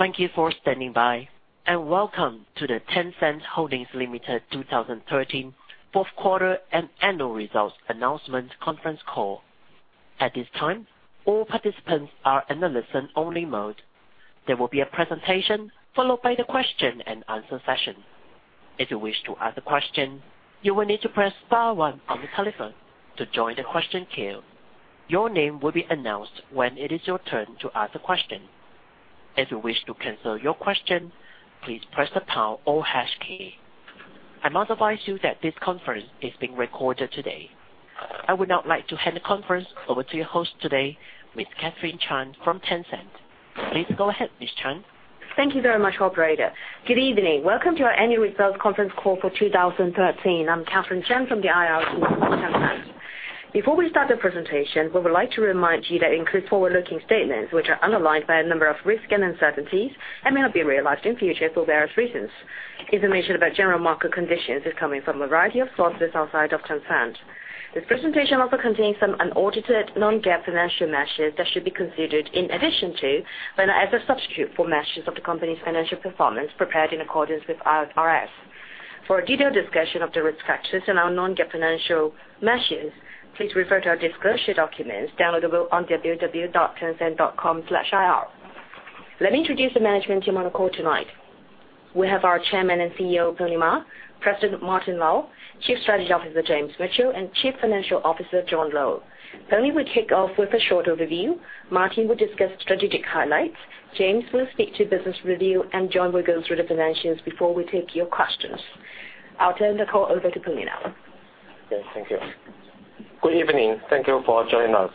Thank you for standing by, welcome to the Tencent Holdings Limited 2013 fourth quarter and annual results announcement conference call. At this time, all participants are in a listen-only mode. There will be a presentation followed by the question and answer session. If you wish to ask a question, you will need to press star one on your telephone to join the question queue. Your name will be announced when it is your turn to ask a question. If you wish to cancel your question, please press the pound or hash key. I must advise you that this conference is being recorded today. I would now like to hand the conference over to your host today, Miss Catherine Chan from Tencent. Please go ahead, Miss Chan. Thank you very much, operator. Good evening. Welcome to our annual results conference call for 2013. I am Catherine Chan from the IR team of Tencent. Before we start the presentation, we would like to remind you that it includes forward-looking statements, which are underlined by a number of risks and uncertainties and may not be realized in future for various reasons. Information about general market conditions is coming from a variety of sources outside of Tencent. This presentation also contains some unaudited non-GAAP financial measures that should be considered in addition to, but not as a substitute for, measures of the company's financial performance prepared in accordance with IFRS. For a detailed discussion of the risk factors and our non-GAAP financial measures, please refer to our disclosure documents downloadable on www.tencent.com/ir. Let me introduce the management team on the call tonight. We have our Chairman and CEO, Ma Huateng, President Martin Lau, Chief Strategy Officer James Mitchell, and Chief Financial Officer John Lo. Pony will kick off with a short overview. Martin will discuss strategic highlights. James will speak to business review, John will go through the financials before we take your questions. I will turn the call over to Pony now. Yes, thank you. Good evening. Thank you for joining us.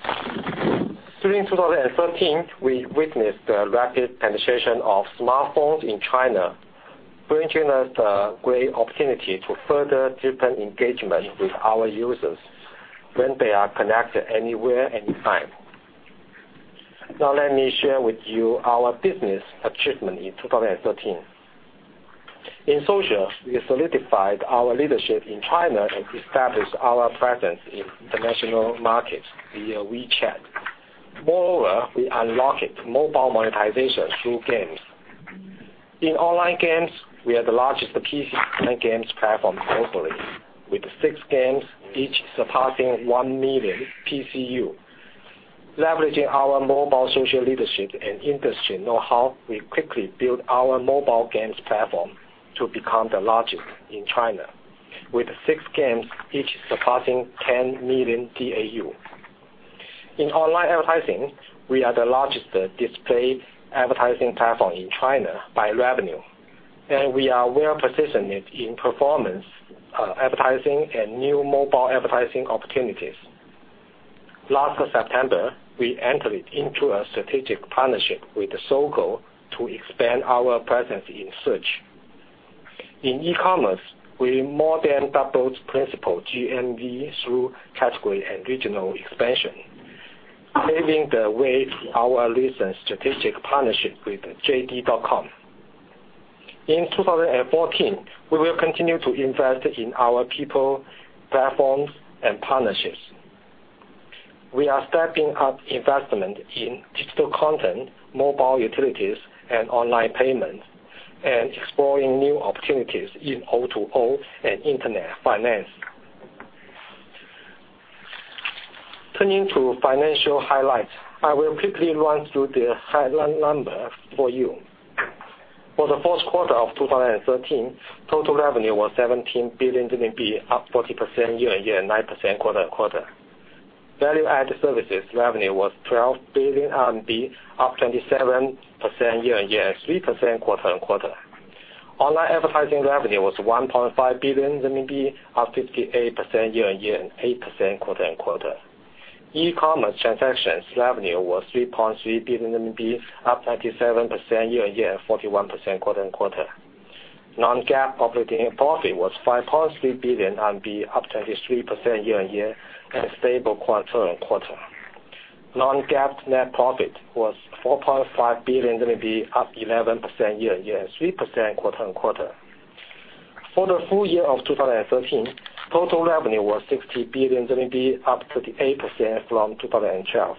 During 2013, we witnessed the rapid penetration of smartphones in China, bringing us a great opportunity to further deepen engagement with our users when they are connected anywhere, anytime. Now let me share with you our business achievement in 2013. In social, we solidified our leadership in China and established our presence in international markets via WeChat. Moreover, we unlocked mobile monetization through games. In online games, we are the largest PC online games platform globally, with six games each surpassing 1 million PCU. Leveraging our mobile social leadership and industry know-how, we quickly built our mobile games platform to become the largest in China, with six games each surpassing 10 million DAU. In online advertising, we are the largest display advertising platform in China by revenue, we are well-positioned in performance advertising and new mobile advertising opportunities. Last September, we entered into a strategic partnership with Sogou to expand our presence in search. In e-commerce, we more than doubled principal GMV through category and regional expansion, paving the way for our recent strategic partnership with JD.com. In 2014, we will continue to invest in our people, platforms, and partnerships. We are stepping up investment in digital content, mobile utilities, and online payments, and exploring new opportunities in O2O and internet finance. Turning to financial highlights, I will quickly run through the highlight numbers for you. For the fourth quarter of 2013, total revenue was 17 billion RMB, up 40% year-on-year and 9% quarter-on-quarter. Value-added services revenue was 12 billion RMB, up 27% year-on-year and 3% quarter-on-quarter. Online advertising revenue was 1.5 billion RMB, up 58% year-on-year and 8% quarter-on-quarter. E-commerce transactions revenue was 3.3 billion RMB, up 27% year-on-year and 41% quarter-on-quarter. Non-GAAP operating profit was 5.3 billion RMB, up 23% year-on-year and stable quarter-on-quarter. Non-GAAP net profit was 4.5 billion RMB, up 11% year-on-year and 3% quarter-on-quarter. For the full year of 2013, total revenue was 60 billion RMB, up 38% from 2012.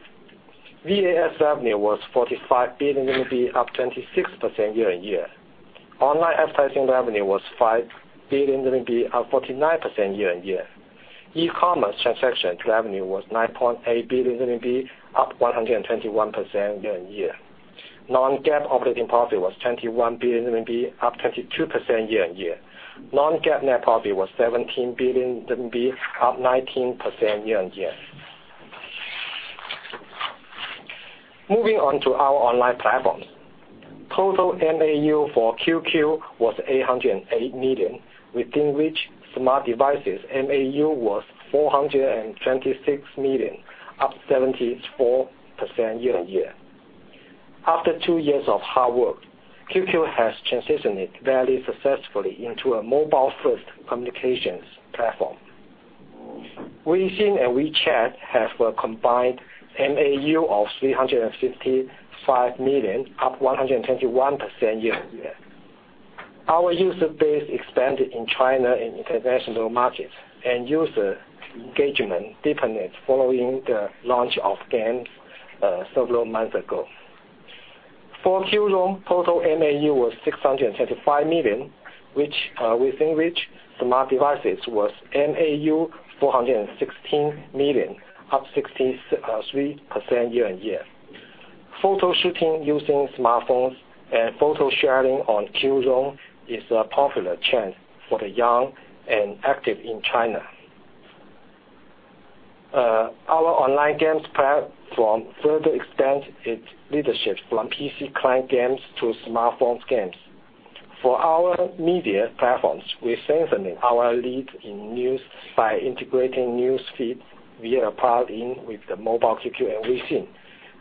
VAS revenue was 45 billion RMB, up 26% year-on-year. Online advertising revenue was 5 billion RMB, up 49% year-on-year. E-commerce transactions revenue was 9.8 billion RMB, up 121% year-on-year. Non-GAAP operating profit was 21 billion RMB, up 22% year-on-year. Non-GAAP net profit was 17 billion RMB, up 19% year-on-year. Moving on to our online platforms. Total MAU for QQ was 808 million, within which smart devices MAU was 426 million, up 74% year-on-year. After two years of hard work, QQ has transitioned very successfully into a mobile-first communications platform. Weixin and WeChat have a combined MAU of 355 million, up 121% year-on-year. Our user base expanded in China and international markets, and user engagement deepened following the launch of games several months ago. For Qzone, total MAU was 635 million, within which smart devices MAU was 416 million, up 63% year-on-year. Photo shooting using smartphones and photo sharing on Qzone is a popular trend for the young and active in China. Our online games platform further extends its leadership from PC client games to smartphones games. For our media platforms, we strengthen our lead in news by integrating news feeds via plugin with the Mobile QQ and Weixin,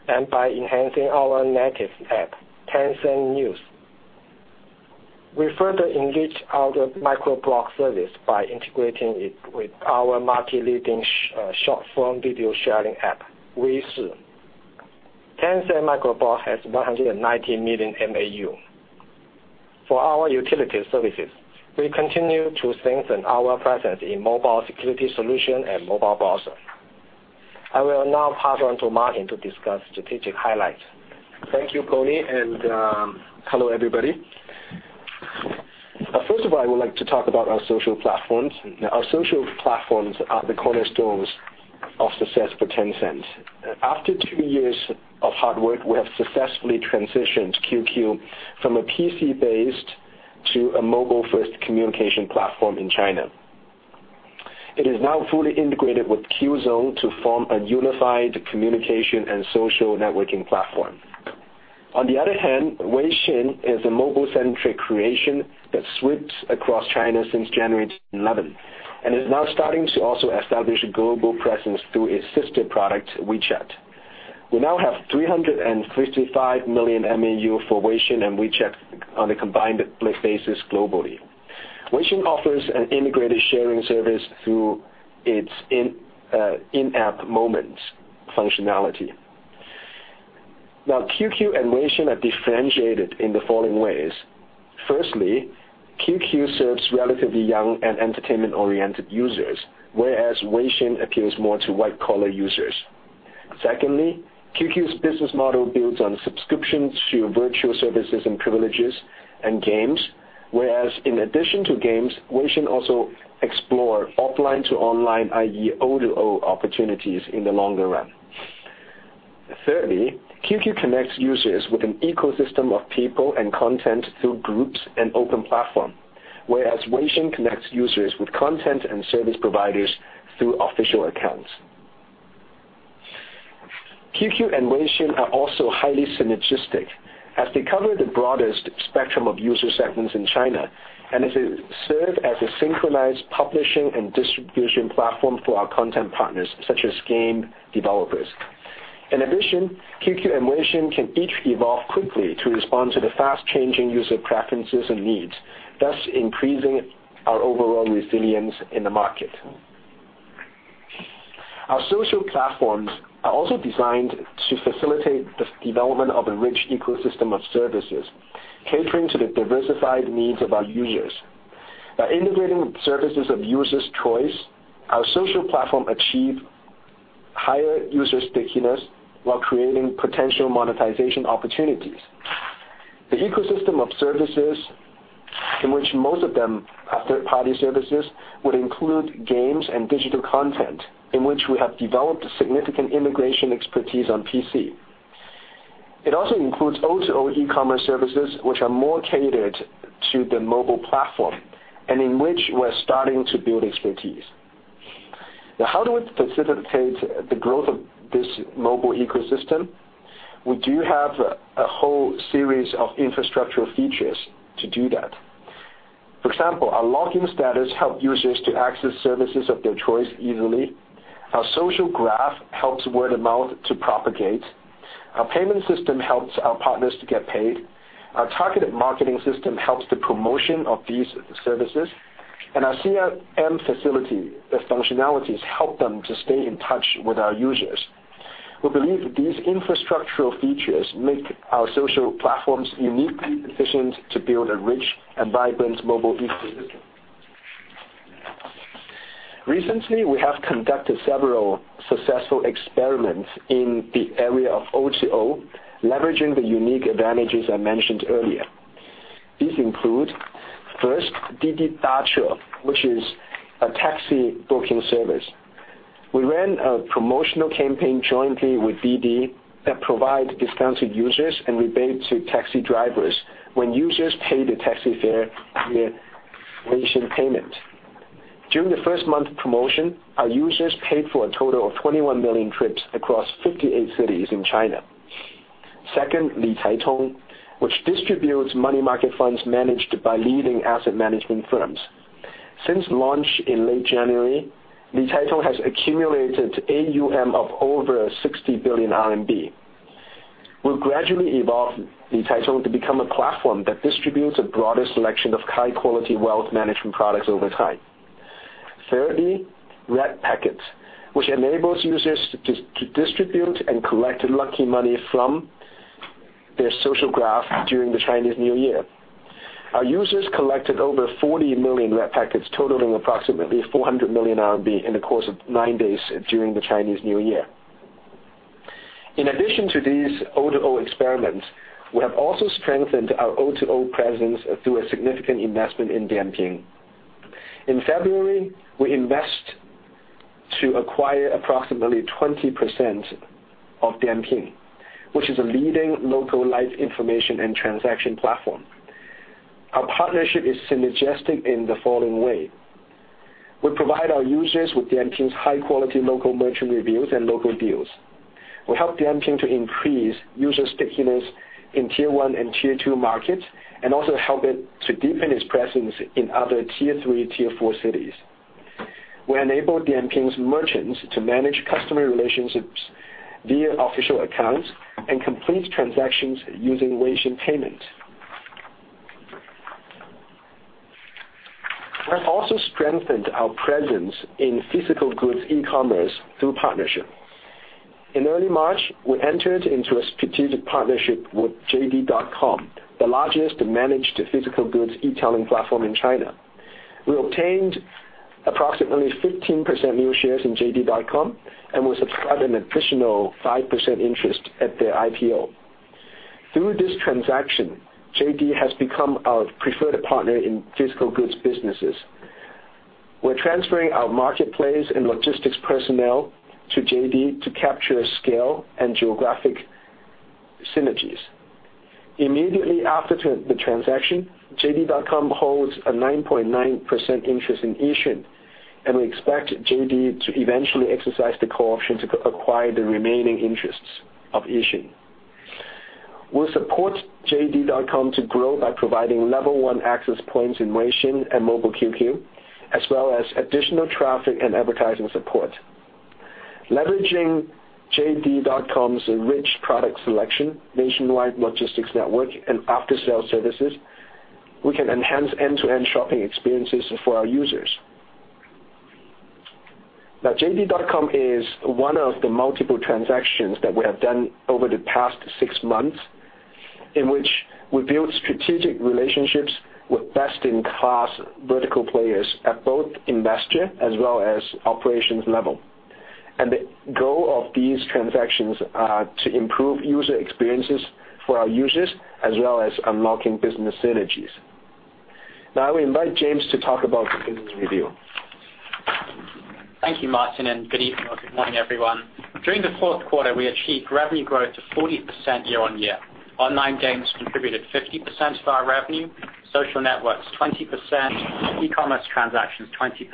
and by enhancing our native app, Tencent News. We further engage our microblog service by integrating it with our multi-leading short-form video sharing app, Weishi. Tencent microblog has 190 million MAU. For our utility services, we continue to strengthen our presence in mobile security solution and mobile browser. I will now pass on to Martin to discuss strategic highlights. Thank you, Pony, and hello, everybody. First of all, I would like to talk about our social platforms. Our social platforms are the cornerstones of success for Tencent. After two years of hard work, we have successfully transitioned QQ from a PC-based to a mobile-first communication platform in China. It is now fully integrated with Qzone to form a unified communication and social networking platform. On the other hand, Weixin is a mobile-centric creation that sweeps across China since January 2011, and is now starting to also establish global presence through its sister product, WeChat. We now have 355 million MAU for Weixin and WeChat on a combined basis globally. Weixin offers an integrated sharing service through its in-app moments functionality. QQ and Weixin are differentiated in the following ways. Firstly, QQ serves relatively young and entertainment-oriented users, whereas Weixin appeals more to white-collar users. Secondly, QQ's business model builds on subscriptions to virtual services and privileges and games, whereas in addition to games, Weixin also explore offline-to-online, i.e., O2O opportunities in the longer run. Thirdly, QQ connects users with an ecosystem of people and content through groups and open platform, whereas Weixin connects users with content and service providers through official accounts. QQ and Weixin are also highly synergistic as they cover the broadest spectrum of user segments in China and as they serve as a synchronized publishing and distribution platform for our content partners, such as game developers. In addition, QQ and Weixin can each evolve quickly to respond to the fast-changing user preferences and needs, thus increasing our overall resilience in the market. Our social platforms are also designed to facilitate the development of a rich ecosystem of services, catering to the diversified needs of our users. By integrating services of users' choice, our social platform achieve higher user stickiness while creating potential monetization opportunities. The ecosystem of services, in which most of them are third-party services, would include games and digital content, in which we have developed significant integration expertise on PC. It also includes O2O e-commerce services, which are more catered to the mobile platform, and in which we're starting to build expertise. How do we facilitate the growth of this mobile ecosystem? We do have a whole series of infrastructure features to do that. For example, our login status help users to access services of their choice easily. Our social graph helps word-of-mouth to propagate. Our payment system helps our partners to get paid. Our targeted marketing system helps the promotion of these services. Our CRM facility, the functionalities help them to stay in touch with our users. We believe these infrastructural features make our social platforms uniquely positioned to build a rich and vibrant mobile ecosystem. Recently, we have conducted several successful experiments in the area of O2O, leveraging the unique advantages I mentioned earlier. These include, first, Didi Dache, which is a taxi booking service. We ran a promotional campaign jointly with Didi that provide discounts to users and rebate to taxi drivers when users pay the taxi fare via Weixin payment. During the first month of promotion, our users paid for a total of 21 million trips across 58 cities in China. Second, Licaitong, which distributes money market funds managed by leading asset management firms. Since launch in late January, Licaitong has accumulated AUM of over 60 billion RMB. We'll gradually evolve Licaitong to become a platform that distributes a broader selection of high-quality wealth management products over time. Thirdly, red packets, which enables users to distribute and collect lucky money from their social graph during the Chinese New Year. Our users collected over 40 million red packets totaling approximately 400 million RMB in the course of 9 days during the Chinese New Year. In addition to these O2O experiments, we have also strengthened our O2O presence through a significant investment in Dianping. In February, we invest to acquire approximately 20% of Dianping, which is a leading local life information and transaction platform. Our partnership is synergistic in the following way. We provide our users with Dianping's high-quality local merchant reviews and local deals. We help Dianping to increase user stickiness in tier 1 and tier 2 markets, and also help it to deepen its presence in other tier 3, tier 4 cities. We enable Dianping's merchants to manage customer relationships via official accounts and complete transactions using Weixin payment. We have also strengthened our presence in physical goods e-commerce through partnership. In early March, we entered into a strategic partnership with JD.com, the largest managed physical goods e-tailing platform in China. We obtained approximately 15% new shares in JD.com and will subscribe an additional 5% interest at their IPO. Through this transaction, JD has become our preferred partner in physical goods businesses. We are transferring our marketplace and logistics personnel to JD to capture scale and geographic synergies. Immediately after the transaction, JD.com holds a 9.9% interest in Yixun, and we expect JD to eventually exercise the call option to acquire the remaining interests of Yixun. We support JD.com to grow by providing level 1 access points in Weixin and Mobile QQ, as well as additional traffic and advertising support. Leveraging JD.com's rich product selection, nationwide logistics network, and after-sale services, we can enhance end-to-end shopping experiences for our users. JD.com is one of the multiple transactions that we have done over the past six months in which we build strategic relationships with best-in-class vertical players at both investor as well as operations level. The goal of these transactions are to improve user experiences for our users as well as unlocking business synergies. I will invite James to talk about the business review. Thank you, Martin, and good evening or good morning, everyone. During the fourth quarter, we achieved revenue growth of 40% year-on-year. Online games contributed 50% of our revenue, social networks 20%, e-commerce transactions 20%,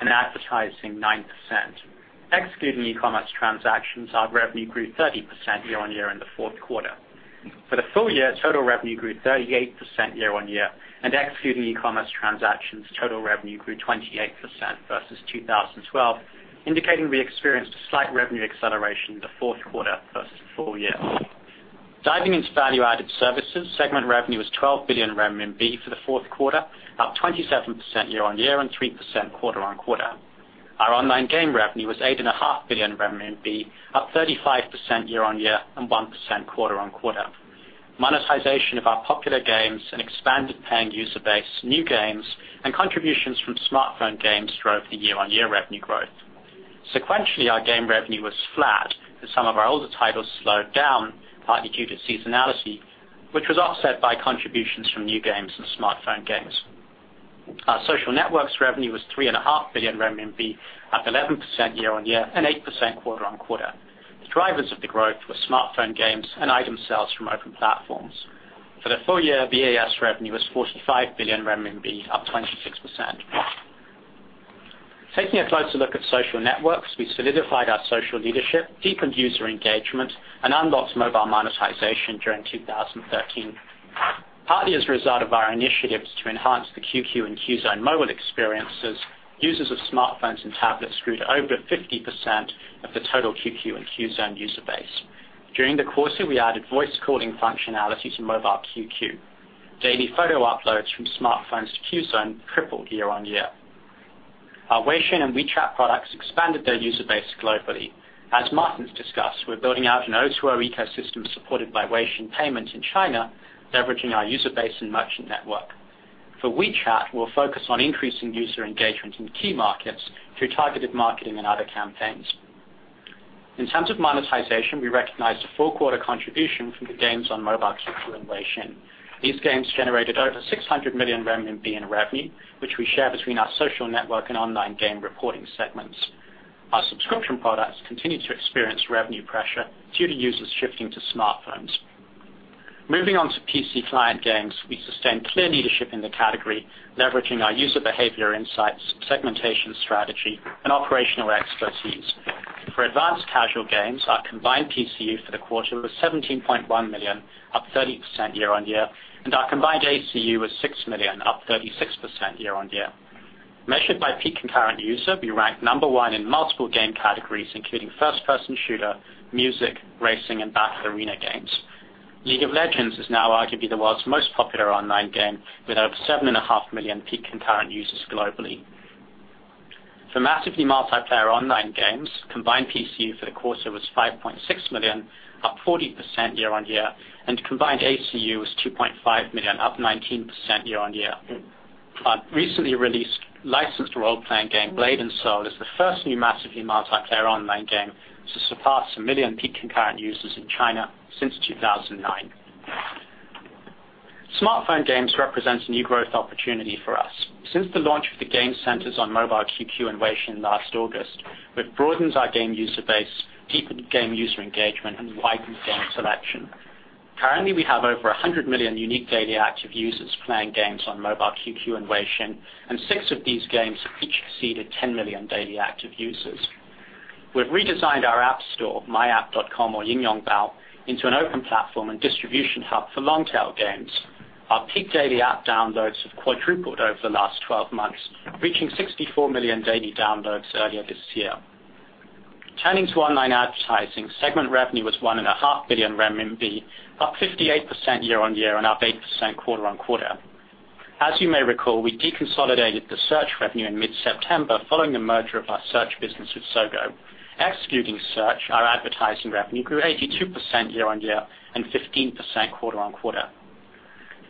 and advertising 9%. Excluding e-commerce transactions, our revenue grew 30% year-on-year in the fourth quarter. For the full year, total revenue grew 38% year-on-year and excluding e-commerce transactions, total revenue grew 28% versus 2012, indicating we experienced a slight revenue acceleration in the fourth quarter versus the full year. Diving into value-added services, segment revenue was 12 billion RMB for the fourth quarter, up 27% year-on-year and 3% quarter-on-quarter. Our online game revenue was 8.5 billion RMB, up 35% year-on-year and 1% quarter-on-quarter. Monetization of our popular games and expanded paying user base, new games, and contributions from smartphone games drove the year-on-year revenue growth. Sequentially, our game revenue was flat as some of our older titles slowed down, partly due to seasonality, which was offset by contributions from new games and smartphone games. Our Social Networks revenue was 3.5 billion RMB, up 11% year-on-year and 8% quarter-on-quarter. The drivers of the growth were smartphone games and item sales from open platforms. For the full year, VAS revenue was 45 billion RMB, up 26%. Taking a closer look at Social Networks, we solidified our social leadership, deepened user engagement, and unlocked mobile monetization during 2013. Partly as a result of our initiatives to enhance the QQ and Qzone mobile experiences, users of smartphones and tablets grew to over 50% of the total QQ and Qzone user base. During the quarter, we added voice calling functionality to Mobile QQ. Daily photo uploads from smartphones to Qzone tripled year-on-year. Our Weixin and WeChat products expanded their user base globally. As Martin's discussed, we're building out an O2O ecosystem supported by Weixin Payment in China, leveraging our user base and merchant network. For WeChat, we'll focus on increasing user engagement in key markets through targeted marketing and other campaigns. In terms of monetization, we recognized a full quarter contribution from the games on mobile, social, and Weixin. These games generated over 600 million RMB in revenue, which we share between our Social Network and Online Game reporting segments. Our subscription products continue to experience revenue pressure due to users shifting to smartphones. Moving on to PC client games, we sustained clear leadership in the category, leveraging our user behavior insights, segmentation strategy, and operational expertise. For advanced casual games, our combined PCU for the quarter was 17.1 million, up 30% year-on-year, and our combined ACU was 6 million, up 36% year-on-year. Measured by peak concurrent user, we ranked number one in multiple game categories, including first-person shooter, music, racing, and battle arena games. League of Legends is now arguably the world's most popular online game, with over seven and a half million peak concurrent users globally. For massively multiplayer online games, combined PCU for the quarter was 5.6 million, up 40% year-on-year, and combined ACU was 2.5 million, up 19% year-on-year. Our recently released licensed role-playing game, Blade & Soul, is the first new massively multiplayer online game to surpass 1 million peak concurrent users in China since 2009. Smartphone games represents a new growth opportunity for us. Since the launch of the game centers on Mobile QQ and Weixin last August, which broadens our game user base, deepened game user engagement and widened game selection. Currently, we have over 100 million unique daily active users playing games on Mobile QQ and Weixin, and six of these games have each exceeded 10 million daily active users. We've redesigned our app store, myapp.com or Yingyongbao, into an open platform and distribution hub for long-tail games. Our peak daily app downloads have quadrupled over the last 12 months, reaching 64 million daily downloads earlier this year. Turning to Online Advertising, segment revenue was one and a half billion CNY, up 58% year-on-year and up 8% quarter-on-quarter. As you may recall, we deconsolidated the search revenue in mid-September following the merger of our search business with Sogou. Excluding search, our advertising revenue grew 82% year-over-year and 15% quarter-over-quarter,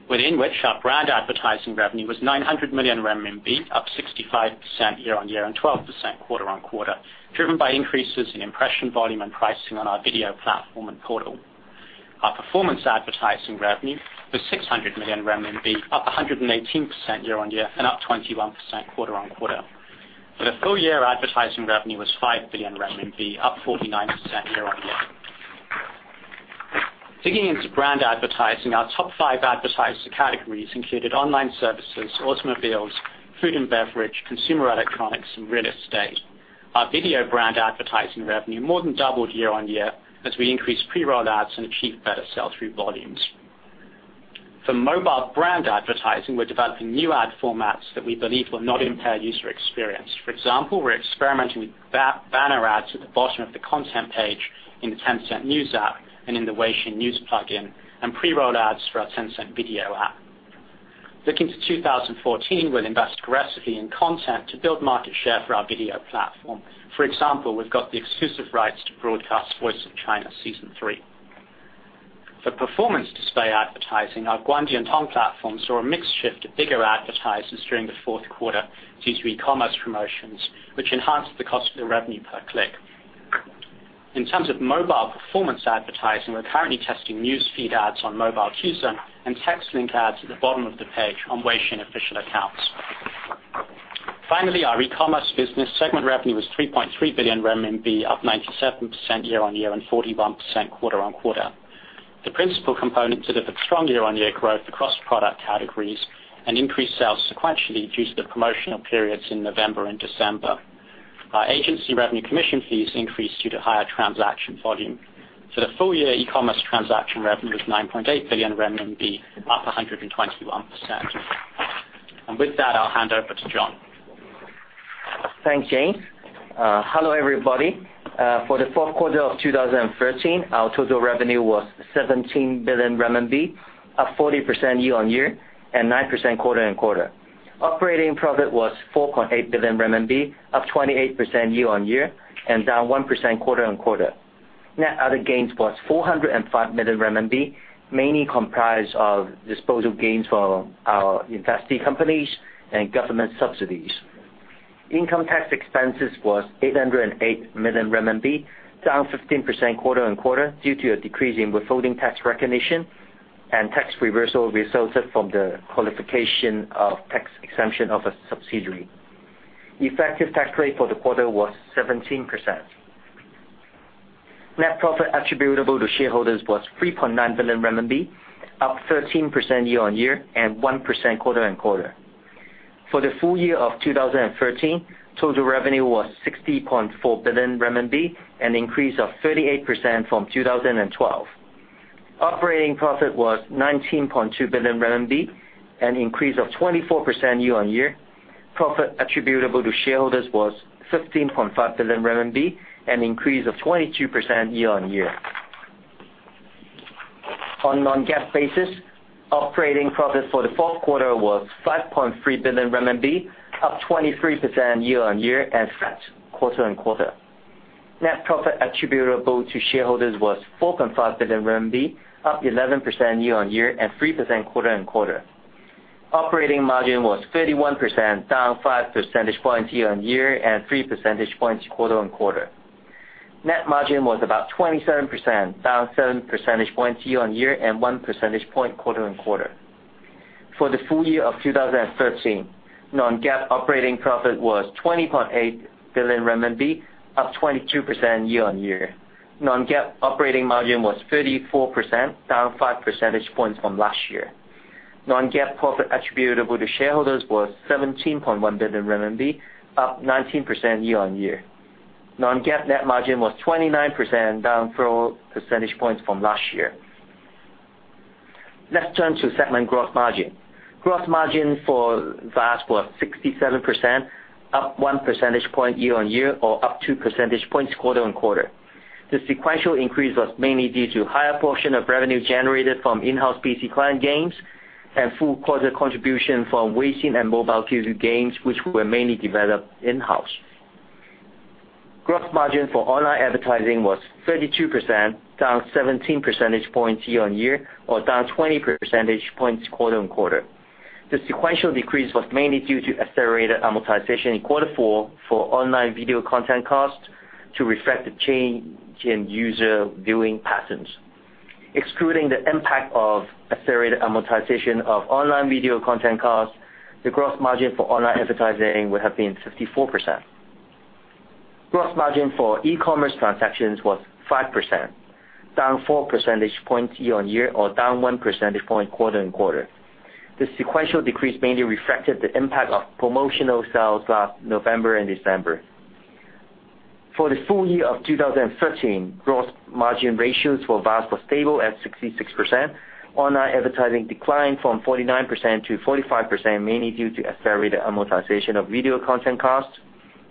within which our brand advertising revenue was 900 million RMB, up 65% year-over-year and 12% quarter-over-quarter, driven by increases in impression volume and pricing on our video platform and portal. Our performance advertising revenue was 600 million renminbi, up 118% year-over-year and up 21% quarter-over-quarter. For the full year, advertising revenue was 5 billion RMB, up 49% year-over-year. Digging into brand advertising, our top 5 advertiser categories included online services, automobiles, food and beverage, consumer electronics, and real estate. Our video brand advertising revenue more than doubled year-over-year as we increased pre-roll ads and achieved better sell-through volumes. For mobile brand advertising, we're developing new ad formats that we believe will not impair user experience. For example, we're experimenting with banner ads at the bottom of the content page in the Tencent News app and in the Weixin News plugin, and pre-roll ads for our Tencent Video app. Looking to 2014, we'll invest aggressively in content to build market share for our video platform. For example, we've got the exclusive rights to broadcast The Voice of China, Season 3. For performance display advertising, our Guangdian Tong platforms saw a mix shift to bigger advertisers during the fourth quarter due to e-commerce promotions, which enhanced the cost of the revenue per click. In terms of mobile performance advertising, we're currently testing newsfeed ads on Mobile Qzone and text link ads at the bottom of the page on Weixin official accounts. Finally, our e-commerce business segment revenue was 3.3 billion RMB, up 97% year-over-year and 41% quarter-over-quarter. The principal components delivered strong year-over-year growth across product categories and increased sales sequentially due to the promotional periods in November and December. Our agency revenue commission fees increased due to higher transaction volume. For the full year, e-commerce transaction revenue was 9.8 billion renminbi, up 121%. With that, I'll hand over to John. Thanks, James. Hello, everybody. For the fourth quarter of 2013, our total revenue was 17 billion RMB, up 40% year-over-year and 9% quarter-over-quarter. Operating profit was 4.8 billion RMB, up 28% year-over-year and down 1% quarter-over-quarter. Net other gains was 405 million RMB, mainly comprised of disposal gains from our investee companies and government subsidies. Income tax expenses was 808 million RMB, down 15% quarter-over-quarter due to a decrease in withholding tax recognition and tax reversal resulted from the qualification of tax exemption of a subsidiary. Effective tax rate for the quarter was 17%. Net profit attributable to shareholders was 3.9 billion renminbi, up 13% year-over-year and 1% quarter-over-quarter. For the full year of 2013, total revenue was 60.4 billion RMB, an increase of 38% from 2012. Operating profit was 19.2 billion RMB, an increase of 24% year-over-year. Profit attributable to shareholders was 15.5 billion RMB, an increase of 22% year-on-year. On non-GAAP basis, operating profit for the fourth quarter was 5.3 billion RMB, up 23% year-on-year and flat quarter-on-quarter. Net profit attributable to shareholders was 4.5 billion RMB, up 11% year-on-year and 3% quarter-on-quarter. Operating margin was 31%, down 5 percentage points year-on-year and 3 percentage points quarter-on-quarter. Net margin was about 27%, down 7 percentage points year-on-year and 1 percentage point quarter-on-quarter. For the full year of 2013, non-GAAP operating profit was 20.8 billion RMB, up 22% year-on-year. Non-GAAP operating margin was 34%, down 5 percentage points from last year. Non-GAAP profit attributable to shareholders was 17.1 billion RMB, up 19% year-on-year. Non-GAAP net margin was 29%, down 4 percentage points from last year. Let's turn to segment gross margin. Gross margin for VAS was 67%, up one percentage point year-on-year or up two percentage points quarter-on-quarter. The sequential increase was mainly due to higher portion of revenue generated from in-house PC client games and full quarter contribution from Weixin and Mobile QQ games, which were mainly developed in-house. Gross margin for online advertising was 32%, down 17 percentage points year-on-year or down 20 percentage points quarter-on-quarter. The sequential decrease was mainly due to accelerated amortization in quarter four for online video content cost to reflect the change in user viewing patterns. Excluding the impact of accelerated amortization of online video content costs, the gross margin for online advertising would have been 54%. Gross margin for e-commerce transactions was 5%, down four percentage points year-on-year or down one percentage point quarter-on-quarter. The sequential decrease mainly reflected the impact of promotional sales last November and December. For the full year of 2013, gross margin ratios for VAS were stable at 66%. Online advertising declined from 49% to 45%, mainly due to accelerated amortization of video content costs,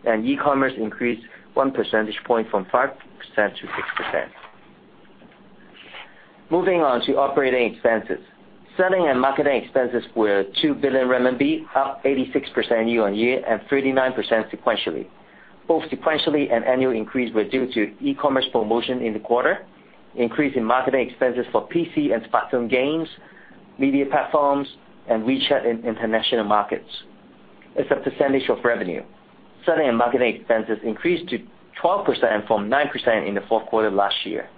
and e-commerce increased one percentage point from 5% to 6%. Moving on to operating expenses. Selling and marketing expenses were 2 billion RMB, up 86% year-on-year and 39% sequentially. Both sequentially and annual increase were due to e-commerce promotion in the quarter, increase in marketing expenses for PC and smartphone games, media platforms, and WeChat in international markets. As a percentage of revenue, selling and marketing expenses increased to 12% from 9% in the fourth quarter of last year.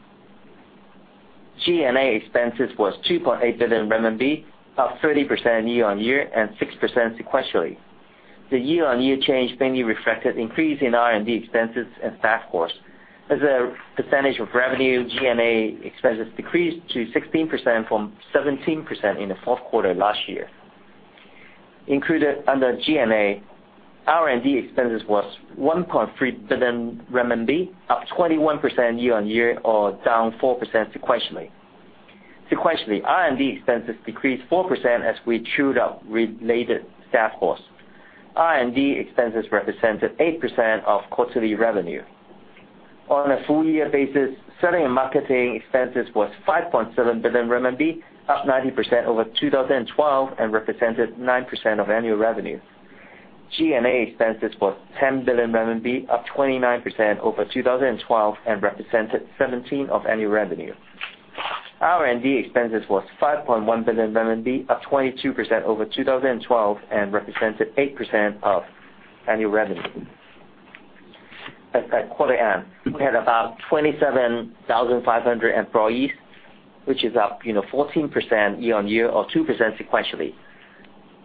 G&A expenses was 2.8 billion RMB, up 30% year-on-year and 6% sequentially. The year-on-year change mainly reflected increase in R&D expenses and staff costs. As a percentage of revenue, G&A expenses decreased to 16% from 17% in the fourth quarter last year. Included under G&A, R&D expenses was 1.3 billion RMB, up 21% year-on-year or down 4% sequentially. Sequentially, R&D expenses decreased 4% as we chewed up related staff costs. R&D expenses represented 8% of quarterly revenue. On a full year basis, selling and marketing expenses was 5.7 billion RMB, up 90% over 2012, and represented 9% of annual revenue. G&A expenses was 10 billion RMB, up 29% over 2012 and represented 17% of annual revenue. R&D expenses was 5.1 billion RMB, up 22% over 2012 and represented 8% of annual revenue. As at quarter end, we had about 27,500 employees, which is up 14% year-on-year or 2% sequentially.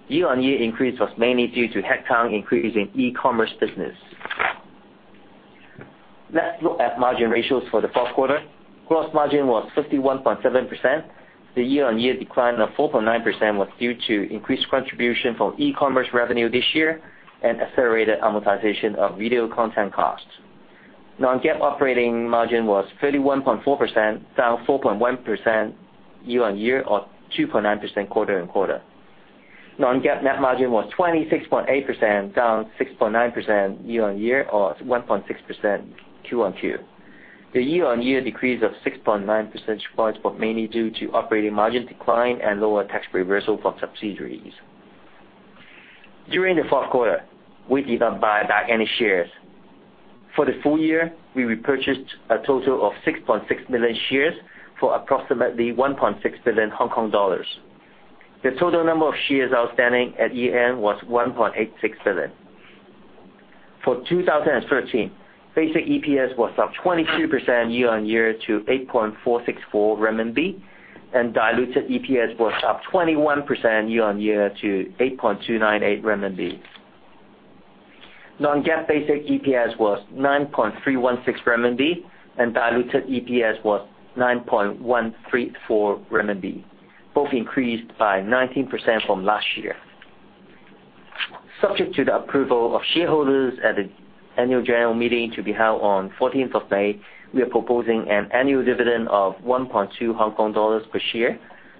Year-on-year increase was mainly due to headcount increase in e-commerce business. Let's look at margin ratios for the fourth quarter. Gross margin was 51.7%. The year-on-year decline of 4.9% was due to increased contribution from e-commerce revenue this year and accelerated amortization of video content costs. non-GAAP operating margin was 31.4%, down 4.1% year-on-year or 2.9% quarter-on-quarter. non-GAAP net margin was 26.8%, down 6.9% year-on-year or 1.6% Q-on-Q. The year-on-year decrease of 6.9 percentage points were mainly due to operating margin decline and lower tax reversal from subsidiaries. During the fourth quarter, we did not buy back any shares. For the full year, we repurchased a total of 6.6 million shares for approximately 1.6 billion Hong Kong dollars. The total number of shares outstanding at year-end was 1.86 billion. For 2013, basic EPS was up 22% year-on-year to 8.464 renminbi, and diluted EPS was up 21% year-on-year to 8.298 renminbi. non-GAAP basic EPS was 9.316 renminbi, and diluted EPS was 9.134 renminbi, both increased by 19% from last year. Subject to the approval of shareholders at the annual general meeting to be held on 14th of May, we are proposing an annual dividend of 1.2 Hong Kong dollars per share.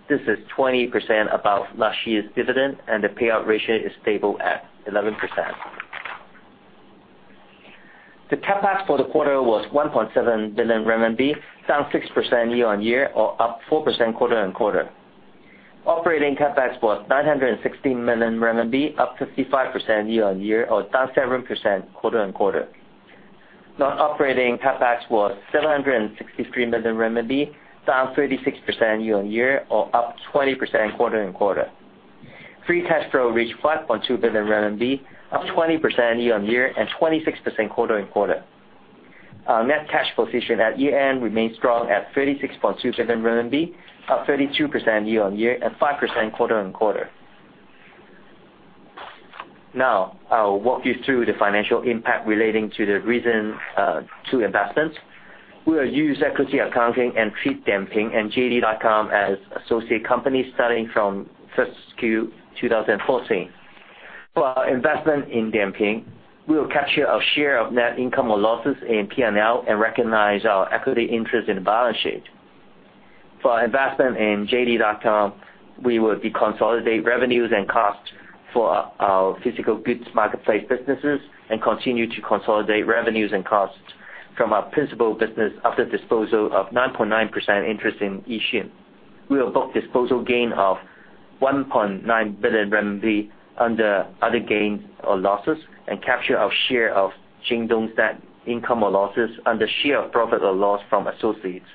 This is 20% above last year's dividend, and the payout ratio is stable at 11%. The CapEx for the quarter was 1.7 billion RMB, down 6% year-on-year or up 4% quarter-on-quarter. Operating CapEx was 916 million RMB, up 55% year-on-year or down 7% quarter-on-quarter. Non-operating CapEx was 763 million RMB, down 36% year-on-year or up 20% quarter-on-quarter. Free cash flow reached 5.2 billion RMB, up 20% year-on-year and 26% quarter-on-quarter. Our net cash position at year-end remains strong at 36.2 billion RMB, up 32% year-on-year and 5% quarter-on-quarter. Now, I will walk you through the financial impact relating to the recent two investments. We will use equity accounting and treat Dianping and JD.com as associate companies starting from first Q 2014. For our investment in Dianping, we will capture our share of net income or losses in P&L and recognize our equity interest in the balance sheet. For our investment in JD.com, we will deconsolidate revenues and costs for our physical goods marketplace businesses and continue to consolidate revenues and costs from our principal business after disposal of 9.9% interest in Yixun. We will book disposal gain of 1.9 billion RMB under other gains or losses and capture our share of Jingdong's net income or losses under share of profit or loss from associates.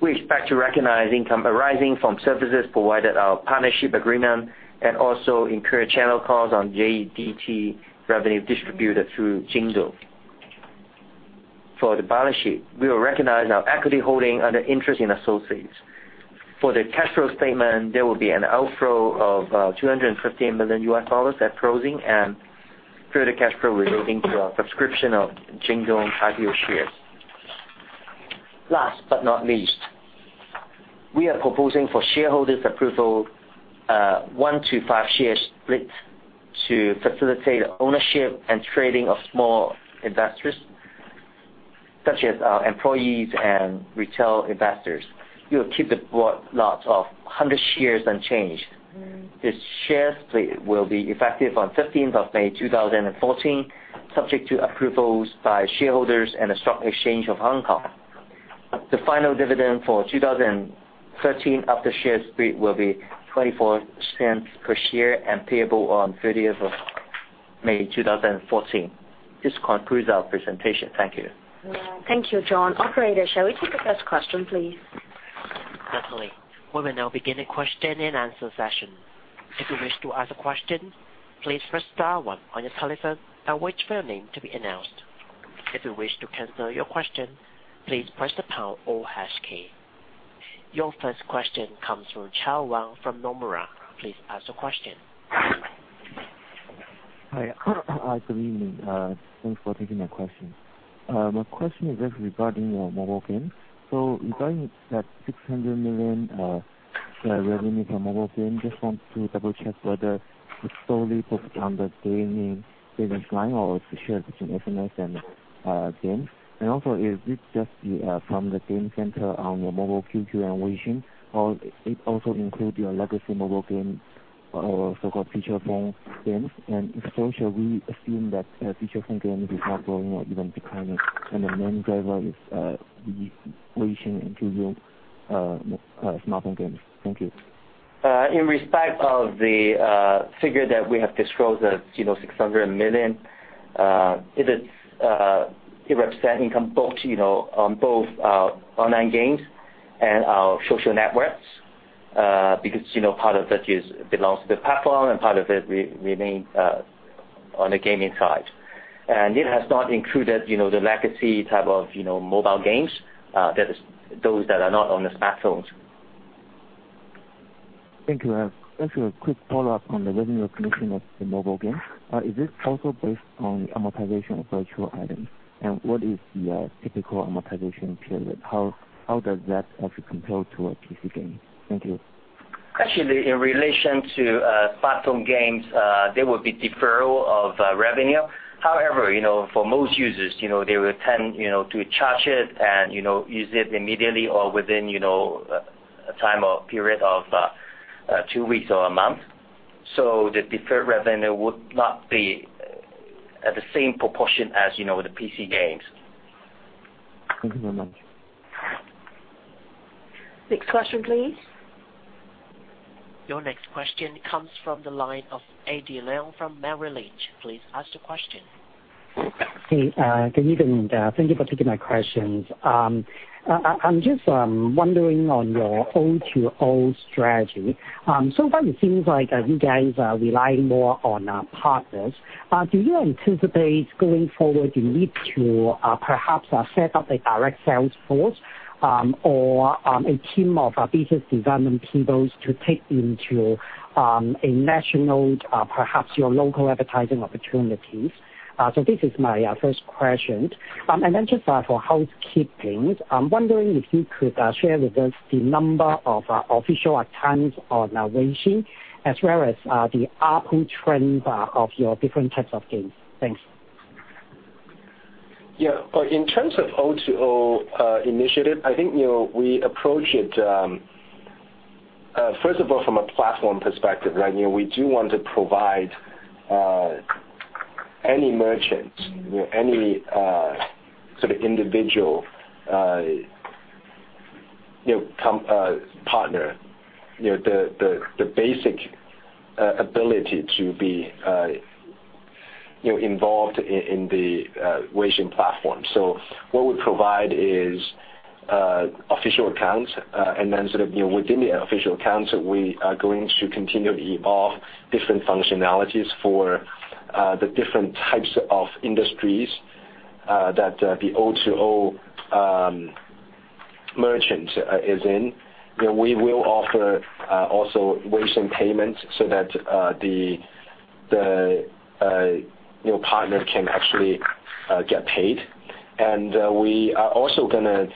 We expect to recognize income arising from services provided our partnership agreement and also incur channel costs on JD revenue distributed through Jingdong. For the balance sheet, we will recognize our equity holding under interest in associates. For the cash flow statement, there will be an outflow of CNY 215 million at closing and further cash flow relating to our subscription of Jingdong [Taguo] shares. Last but not least, we are proposing for shareholders approval a one to five share split to facilitate ownership and trading of small investors, such as our employees and retail investors. We will keep the board lot of 100 shares unchanged. This share split will be effective on 15th of May 2014, subject to approvals by shareholders and the Stock Exchange of Hong Kong. The final dividend for 2013 after share split will be 0.24 per share and payable on 30th of May 2014. This concludes our presentation. Thank you. Thank you, John. Operator, shall we take the first question, please? Certainly. We will now begin a question and answer session. If you wish to ask a question, please press star one on your telephone and wait for your name to be announced. If you wish to cancel your question, please press the pound or hash key. Your first question comes from Chao Wang from Nomura. Please ask the question. Hi. Good evening. Thanks for taking my question. My question is just regarding your mobile games. Regarding that 600 million revenue from mobile games, just want to double-check whether it is solely focused on the gaming business line or it is a share between SNS and games. Also, is this just from the game center on your Mobile QQ and Weixin, or it also includes your legacy mobile game, or so-called feature phone games? If so, shall we assume that feature phone games is not growing or even declining, and the main driver is the Weixin and QQ smartphone games? Thank you. In respect of the figure that we have disclosed of 600 million, it represents income on both our online games and our social networks. Part of it belongs to the platform, and part of it remains on the gaming side. It has not included the legacy type of mobile games, those that are not on the smartphones. Thank you. Actually, a quick follow-up on the revenue recognition of the mobile games. Is this also based on the amortization of virtual items? What is the typical amortization period? How does that actually compare to a PC game? Thank you. Actually, in relation to platform games, there will be deferral of revenue. However, for most users, they will tend to charge it and use it immediately or within a time or period of two weeks or a month. The deferred revenue would not be at the same proportion as the PC games. Thank you very much. Next question, please. Your next question comes from the line of Eddie Leung from Merrill Lynch. Please ask the question. Hey, good evening. Thank you for taking my questions. I'm just wondering on your O2O strategy. So far, it seems like you guys are relying more on partners. Do you anticipate, going forward, you need to perhaps set up a direct sales force or a team of business development people to take into a national, perhaps your local advertising opportunities? This is my first question. Just for housekeeping, I'm wondering if you could share with us the number of official accounts on Weixin, as well as the ARPU trend of your different types of games. Thanks. In terms of O2O initiative, I think we approach it, first of all, from a platform perspective, right? We do want to provide any merchant, any sort of individual partner, the basic ability to be involved in the Weixin platform. What we provide is official accounts, and then sort of within the official accounts, we are going to continually evolve different functionalities for the different types of industries that the O2O merchant is in. We will offer also Weixin payment so that the partner can actually get paid We are also going to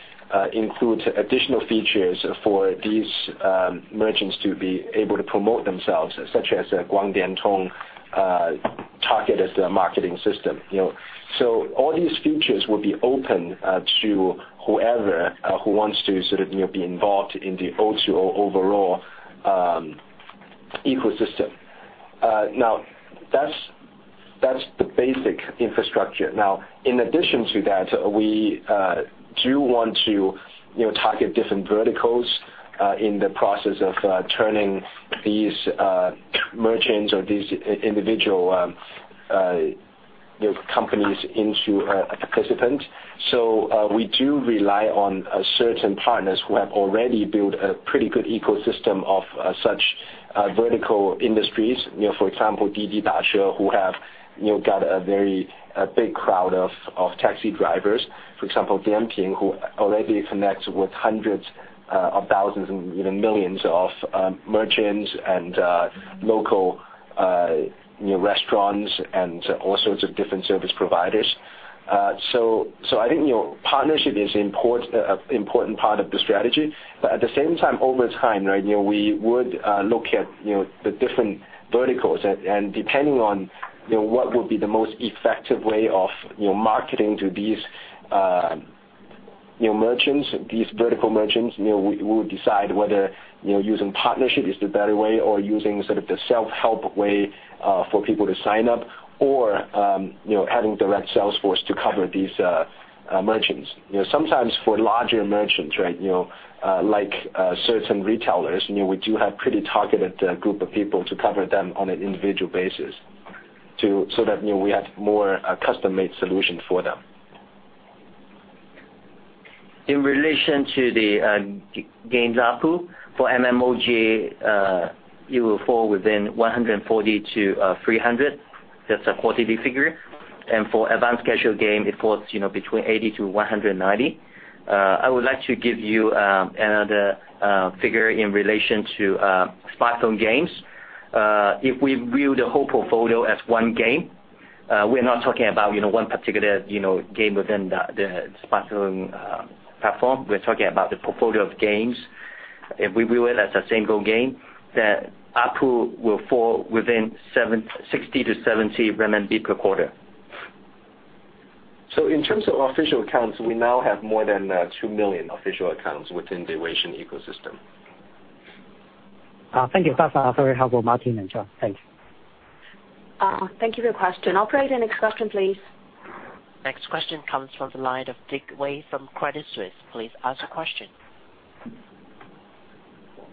include additional features for these merchants to be able to promote themselves, such as a Guangdian Tong targeted marketing system. All these features will be open to whoever wants to be involved in the O2O overall ecosystem. That's the basic infrastructure. In addition to that, we do want to target different verticals in the process of turning these merchants or these individual companies into a participant. We do rely on certain partners who have already built a pretty good ecosystem of such vertical industries. For example, Didi Dache, who have got a very big crowd of taxi drivers. For example, Dianping, who already connects with hundreds of thousands and even millions of merchants and local restaurants and all sorts of different service providers. I think partnership is an important part of the strategy. At the same time, over time, we would look at the different verticals and depending on what would be the most effective way of marketing to these merchants, these vertical merchants, we would decide whether using partnership is the better way or using sort of the self-help way for people to sign up or having direct sales force to cover these merchants. Sometimes for larger merchants, like certain retailers, we do have pretty targeted group of people to cover them on an individual basis so that we have more custom-made solution for them. In relation to the games ARPU, for MMOG, it will fall within 140 to 300. That's a quarterly figure. For advanced casual game, it falls between 80 to 190. I would like to give you another figure in relation to smartphone games. If we view the whole portfolio as one game, we're not talking about one particular game within the smartphone platform, we're talking about the portfolio of games. If we view it as a single game, the ARPU will fall within 60 to 70 RMB per quarter. In terms of official accounts, we now have more than 2 million official accounts within the Weixin ecosystem. Thank you. That's very helpful, Martin and John. Thanks. Thank you for your question. Operator, next question, please. Next question comes from the line of Dick Wei from Credit Suisse. Please ask your question.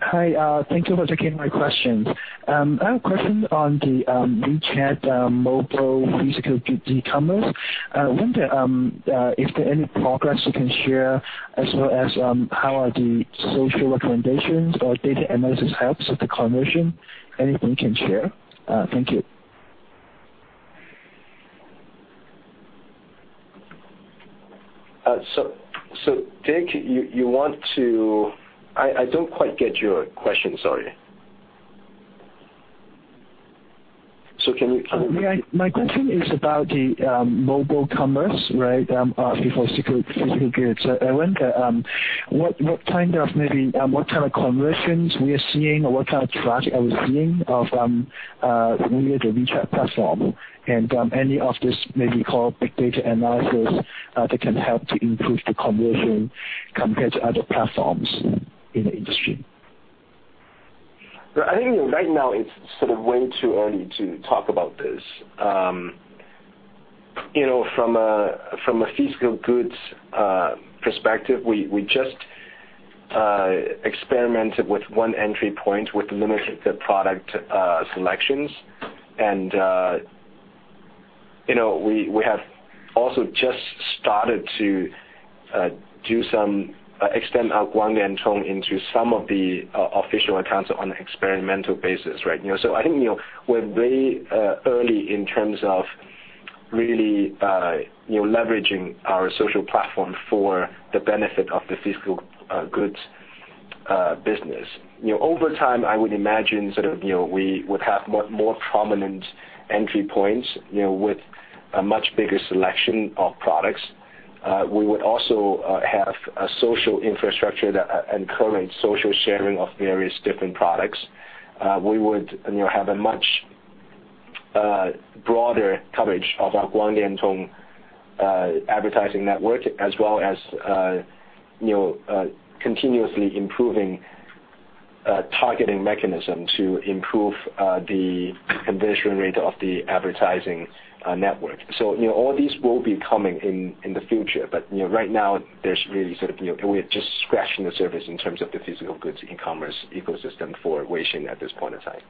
Hi. Thank you for taking my questions. I have a question on the WeChat mobile physical e-commerce. I wonder if there any progress you can share as well as how are the social recommendations or data analysis helps with the conversion? Anything you can share? Thank you. Dick, I don't quite get your question, sorry. Can you. My question is about the mobile commerce, right? For physical goods. I wonder what kind of conversions we are seeing or what kind of traffic are we seeing from the WeChat platform, and any of this maybe called big data analysis that can help to improve the conversion compared to other platforms in the industry. I think right now it's sort of way too early to talk about this. From a physical goods perspective, we just experimented with one entry point with limited product selections. We have also just started to do some extent our Guangdian Tong into some of the official accounts on experimental basis, right? I think we're very early in terms of really leveraging our social platform for the benefit of the physical goods business. Over time, I would imagine sort of we would have more prominent entry points with a much bigger selection of products. We would also have a social infrastructure that encourage social sharing of various different products. We would have a much broader coverage of our Guangdian Tong advertising network as well as continuously improving targeting mechanism to improve the conversion rate of the advertising network. All these will be coming in the future, but right now we're just scratching the surface in terms of the physical goods e-commerce ecosystem for Weixin at this point in time.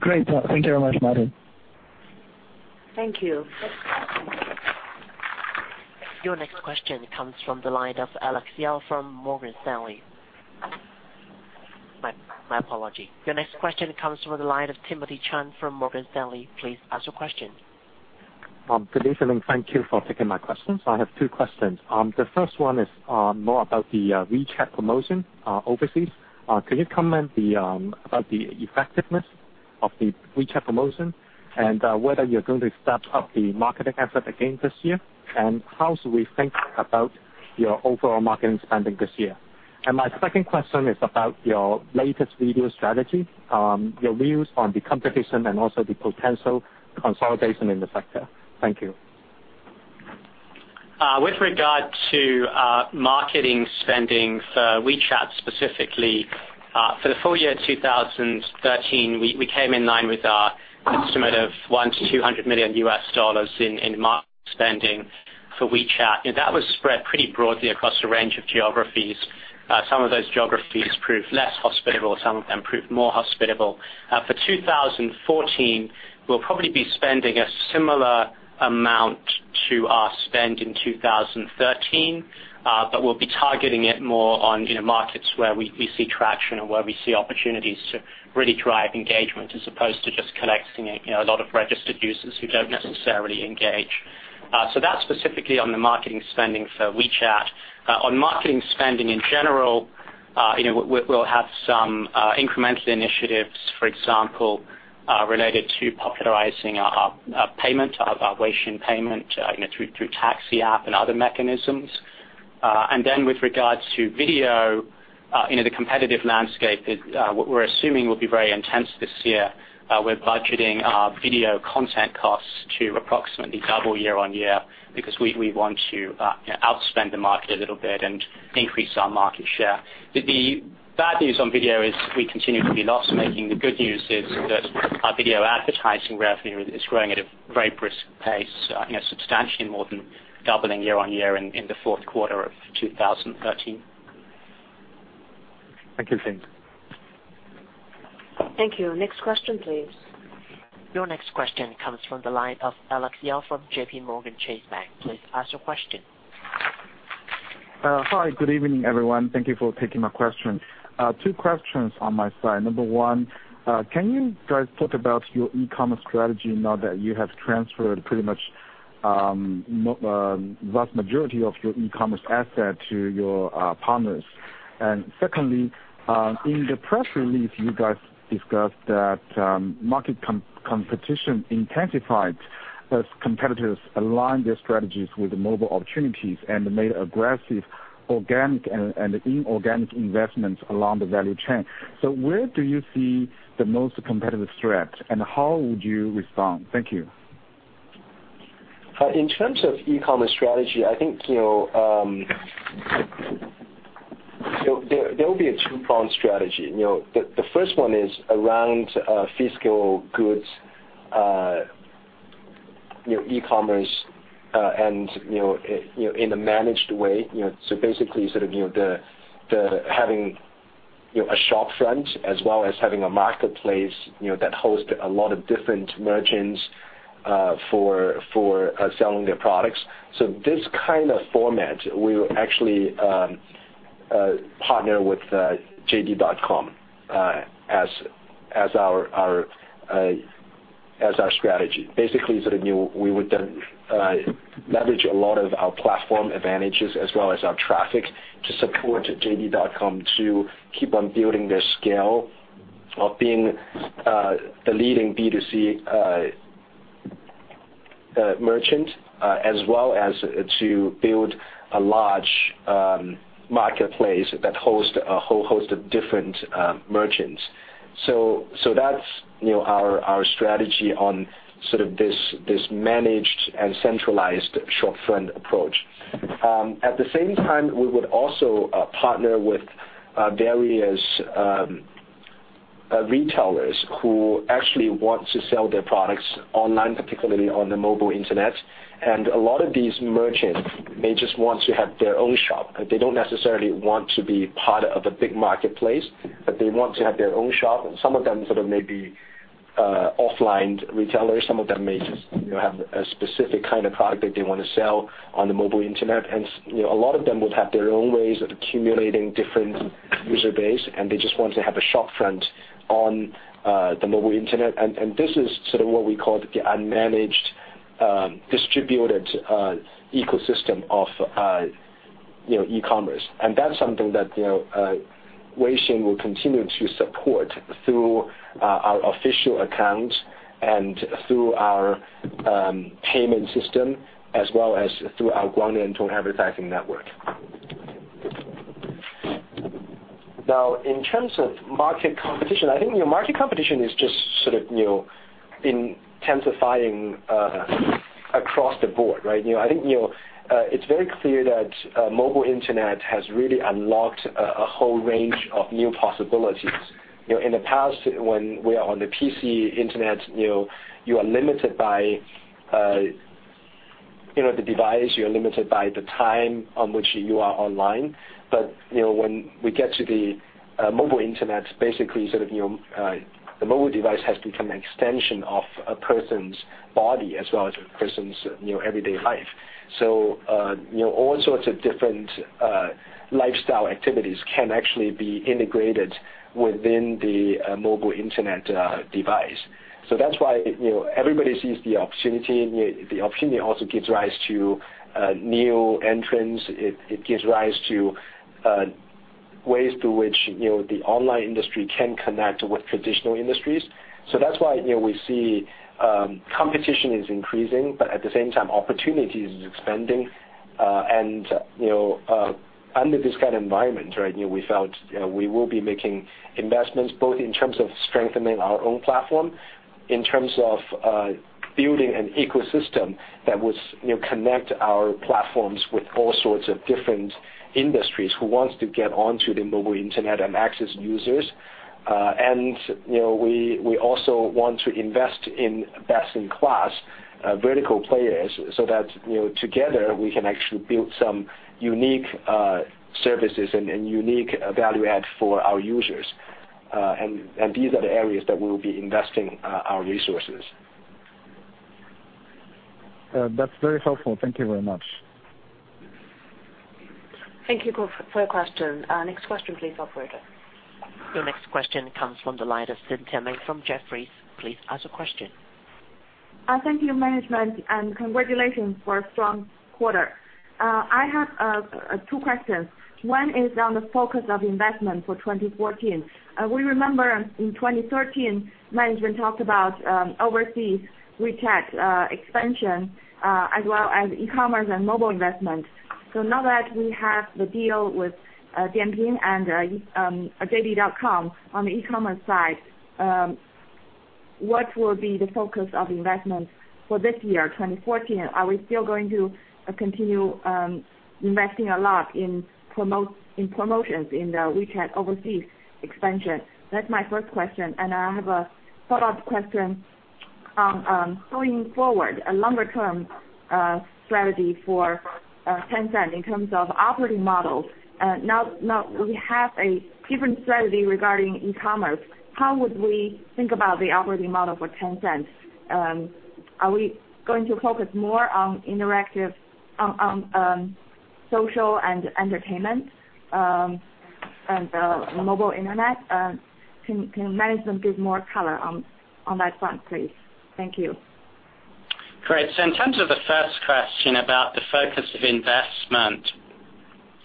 Great. Thank you very much, Martin. Thank you. Your next question comes from the line of Alex Yao from Morgan Stanley. My apology. Your next question comes from the line of Timothy Chen from Morgan Stanley. Please ask your question. Good evening. Thank you for taking my questions. I have two questions. The first one is more about the WeChat promotion overseas. Could you comment about the effectiveness of the WeChat promotion, and whether you're going to step up the marketing effort again this year. How should we think about your overall marketing spending this year? My second question is about your latest video strategy, your views on the competition, and also the potential consolidation in the sector. Thank you. With regard to marketing spending for WeChat specifically, for the full year 2013, we came in line with our estimate of $100 million-$200 million in marketing spending for WeChat. That was spread pretty broadly across a range of geographies. Some of those geographies proved less hospitable, some of them proved more hospitable. For 2014, we'll probably be spending a similar amount to our spend in 2013. We'll be targeting it more on markets where we see traction and where we see opportunities to really drive engagement as opposed to just collecting a lot of registered users who don't necessarily engage. That's specifically on the marketing spending for WeChat. On marketing spending in general, we'll have some incremental initiatives, for example, related to popularizing our payment, our Weixin payment through taxi app and other mechanisms. With regards to video, the competitive landscape, what we're assuming, will be very intense this year. We're budgeting our video content costs to approximately double year-on-year, because we want to outspend the market a little bit and increase our market share. The bad news on video is we continue to be loss-making. The good news is that our video advertising revenue is growing at a very brisk pace, substantially more than doubling year-on-year in the fourth quarter of 2013. Thank you, James. Thank you. Next question, please. Your next question comes from the line of Alex Yao from JPMorgan. Please ask your question. Hi, good evening, everyone. Thank you for taking my question. Two questions on my side. Number one, can you guys talk about your e-commerce strategy now that you have transferred pretty much vast majority of your e-commerce asset to your partners? Secondly, in the press release, you guys discussed that market competition intensified as competitors aligned their strategies with the mobile opportunities and made aggressive organic and inorganic investments along the value chain. Where do you see the most competitive threat, and how would you respond? Thank you. In terms of e-commerce strategy, I think there will be a two-pronged strategy. The first one is around physical goods, e-commerce, and in a managed way. Basically, sort of having a storefront as well as having a marketplace that hosts a lot of different merchants for selling their products. This kind of format, we will actually partner with JD.com as our strategy. Basically, we would then leverage a lot of our platform advantages as well as our traffic to support JD.com to keep on building their scale of being the leading B2C merchant, as well as to build a large marketplace that hosts a whole host of different merchants. That's our strategy on sort of this managed and centralized storefront approach. At the same time, we would also partner with various retailers who actually want to sell their products online, particularly on the mobile internet. A lot of these merchants may just want to have their own shop. They don't necessarily want to be part of a big marketplace, but they want to have their own shop. Some of them sort of may be offline retailers, some of them may just have a specific kind of product that they want to sell on the mobile internet. A lot of them would have their own ways of accumulating different user base, and they just want to have a shopfront on the mobile internet. This is sort of what we call the unmanaged distributed ecosystem of e-commerce. That's something that Weixin will continue to support through our official accounts and through our payment system, as well as through our Guangdian Tong advertising network. In terms of market competition, I think market competition is just sort of intensifying across the board, right? I think it's very clear that mobile internet has really unlocked a whole range of new possibilities. In the past, when we are on the PC internet, you are limited by the device, you are limited by the time on which you are online. When we get to the mobile internet, basically, sort of the mobile device has become an extension of a person's body as well as a person's everyday life. All sorts of different lifestyle activities can actually be integrated within the mobile internet device. That's why everybody sees the opportunity, and the opportunity also gives rise to new entrants. It gives rise to. ways through which the online industry can connect with traditional industries. That's why we see competition is increasing, but at the same time, opportunity is expanding. Under this kind of environment, we felt we will be making investments both in terms of strengthening our own platform, in terms of building an ecosystem that would connect our platforms with all sorts of different industries who want to get onto the mobile internet and access users. We also want to invest in best-in-class vertical players so that together we can actually build some unique services and unique value add for our users. These are the areas that we'll be investing our resources. That's very helpful. Thank you very much. Thank you for the question. Next question please, operator. Your next question comes from the line of Cynthia Tamai from Jefferies. Please ask your question. Thank you management, and congratulations for a strong quarter. I have two questions. One is on the focus of investment for 2014. We remember in 2013, management talked about overseas WeChat expansion, as well as e-commerce and mobile investment. Now that we have the deal with Dianping and JD.com on the e-commerce side, what will be the focus of investment for this year, 2014? Are we still going to continue investing a lot in promotions in the WeChat overseas expansion? That's my first question. I have a follow-up question on going forward, a longer-term strategy for Tencent in terms of operating models. Now we have a different strategy regarding e-commerce. How would we think about the operating model for Tencent? Are we going to focus more on interactive, social and entertainment, and mobile internet? Can management give more color on that front, please? Thank you. Great. In terms of the first question about the focus of investment,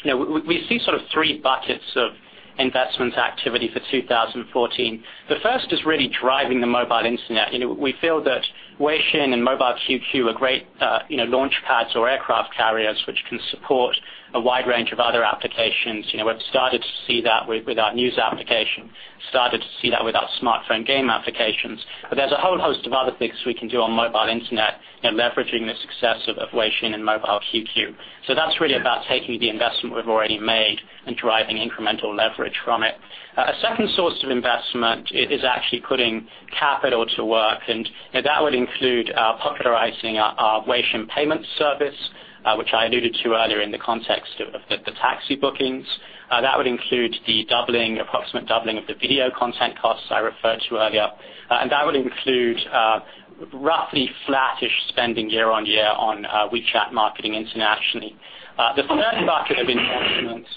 we see sort of 3 buckets of investment activity for 2014. The first is really driving the mobile internet. We feel that Weixin and Mobile QQ are great launch pads or aircraft carriers, which can support a wide range of other applications. We've started to see that with our Tencent News application, started to see that with our smartphone game applications. There's a whole host of other things we can do on mobile internet, leveraging the success of Weixin and Mobile QQ. That's really about taking the investment we've already made and driving incremental leverage from it. A second source of investment is actually putting capital to work. That would include popularizing our Weixin payment service, which I alluded to earlier in the context of the taxi bookings. That would include the approximate doubling of the Tencent Video content costs I referred to earlier. That would include roughly flattish spending year-on-year on WeChat marketing internationally. The 3rd bucket of investments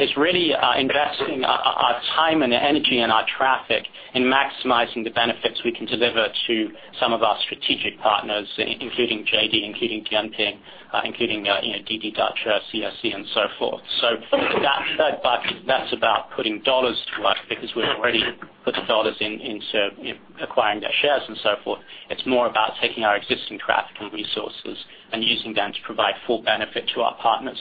is really investing our time and energy and our traffic in maximizing the benefits we can deliver to some of our strategic partners, including JD, including Dianping, including Didi Dache, CJ, and so forth. That's about putting CNY to work because we've already put the CNY into acquiring their shares and so forth. It's more about taking our existing traffic and resources and using them to provide full benefit to our partners.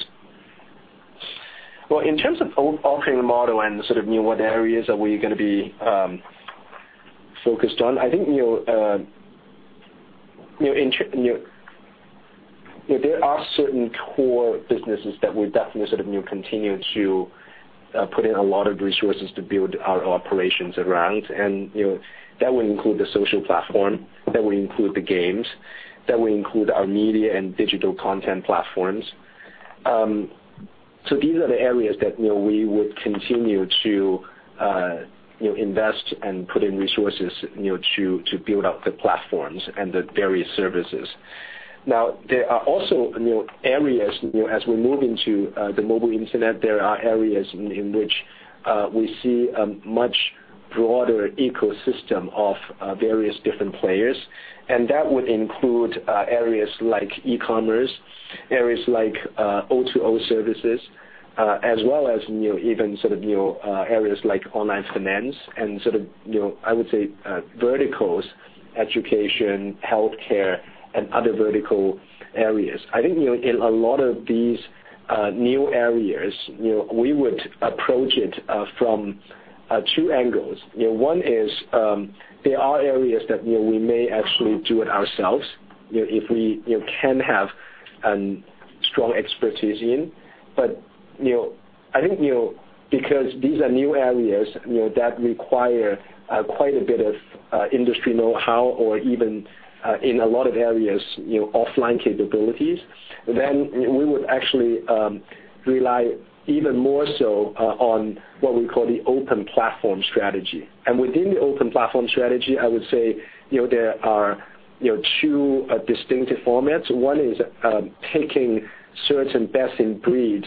In terms of altering the model and sort of what areas are we going to be focused on, I think there are certain core businesses that we definitely sort of continue to put in a lot of resources to build our operations around. That would include the social platform, that would include the games, that would include our media and digital content platforms. These are the areas that we would continue to invest and put in resources to build out the platforms and the various services. There are also areas as we move into the mobile internet, there are areas in which we see a much broader ecosystem of various different players. That would include areas like e-commerce, areas like O2O services, as well as even areas like online finance and I would say verticals, education, healthcare, and other vertical areas. I think in a lot of these new areas, we would approach it from two angles. One is, there are areas that we may actually do it ourselves, if we can have a strong expertise in. I think because these are new areas that require quite a bit of industry know-how or even, in a lot of areas, offline capabilities, then we would actually rely even more so on what we call the open platform strategy. Within the open platform strategy, I would say, there are two distinctive formats. One is taking certain best-in-breed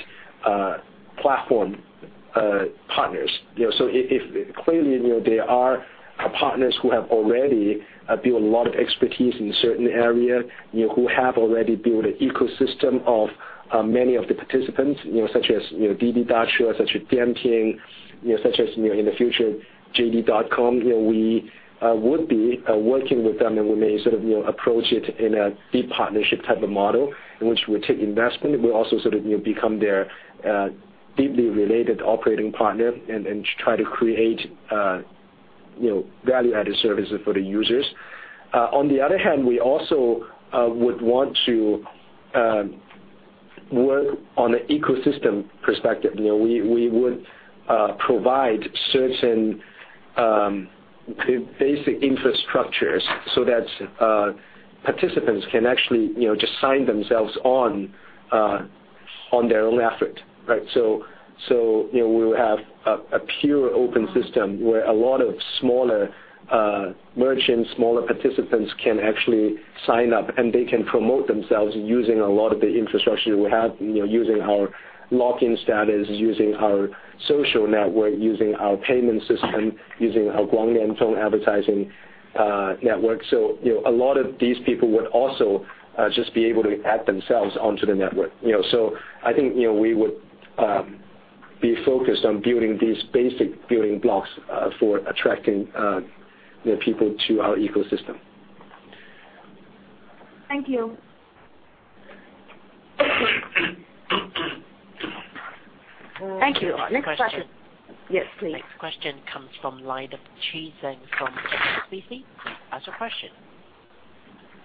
platform partners. If clearly, there are our partners who have already built a lot of expertise in a certain area, who have already built an ecosystem of many of the participants, such as Didi Dache, such as Dianping, such as, in the future, JD.com, we would be working with them and we may sort of approach it in a deep partnership type of model, in which we take investment. We also sort of become their deeply related operating partner and try to create value-added services for the users. On the other hand, we also would want to work on the ecosystem perspective. We would provide certain basic infrastructures so that participants can actually just sign themselves on their own effort, right? We will have a pure open system where a lot of smaller merchants, smaller participants can actually sign up, and they can promote themselves using a lot of the infrastructure we have, using our login status, using our social network, using our payment system, using our Guangdian Tong advertising network. A lot of these people would also just be able to add themselves onto the network. I think we would be focused on building these basic building blocks for attracting people to our ecosystem. Thank you. Thank you. Next question. Yes, please. Next question comes from line of Qi Zheng from CNBC. Ask your question.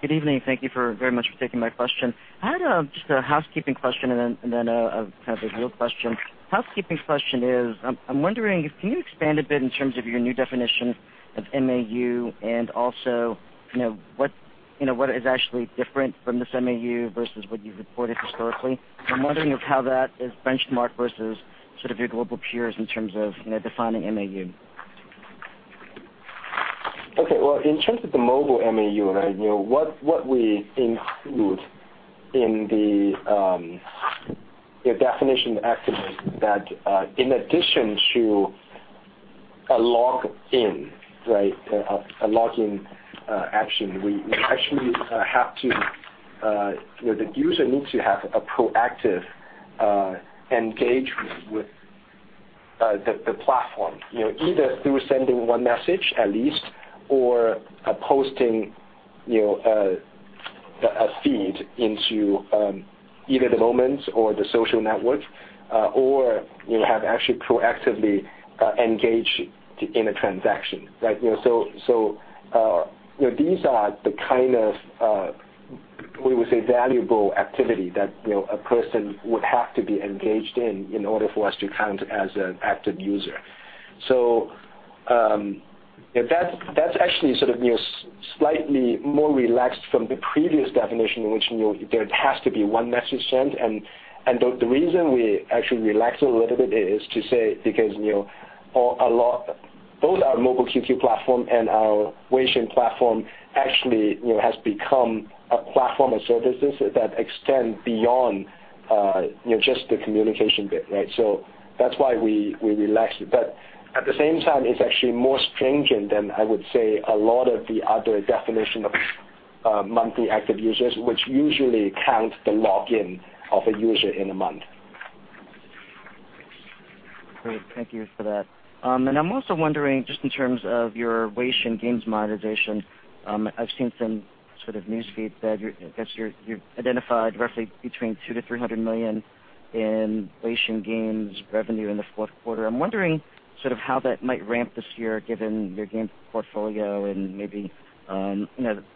Good evening. Thank you very much for taking my question. I had just a housekeeping question and then I have a real question. Housekeeping question is, I'm wondering if can you expand a bit in terms of your new definition of MAU and also, what is actually different from this MAU versus what you've reported historically? I'm wondering of how that is benchmarked versus sort of your global peers in terms of defining MAU. Well, in terms of the Mobile MAU, right? What we include in the definition of activate that in addition to a login, right? A login action, the user needs to have a proactive engagement with the platform. Either through sending one message at least, or posting a feed into either the Moments or the social network, or have actually proactively engaged in a transaction, right? These are the kind of, we would say, valuable activities that a person would have to be engaged in in order for us to count as an active user. That's actually sort of slightly more relaxed from the previous definition, in which there has to be one message sent. The reason we actually relaxed a little bit is to say, because both our Mobile QQ platform and our WeChat platform actually has become a platform of services that extend beyond just the communication bit, right? That's why we relaxed. At the same time, it's actually more stringent than, I would say, a lot of the other definition of monthly active users, which usually count the login of a user in a month. Great. Thank you for that. I'm also wondering, just in terms of your WeChat games monetization, I've seen some sort of newsfeed that you've identified roughly between $200 million-$300 million in WeChat games revenue in the fourth quarter. I'm wondering sort of how that might ramp this year, given your games portfolio and maybe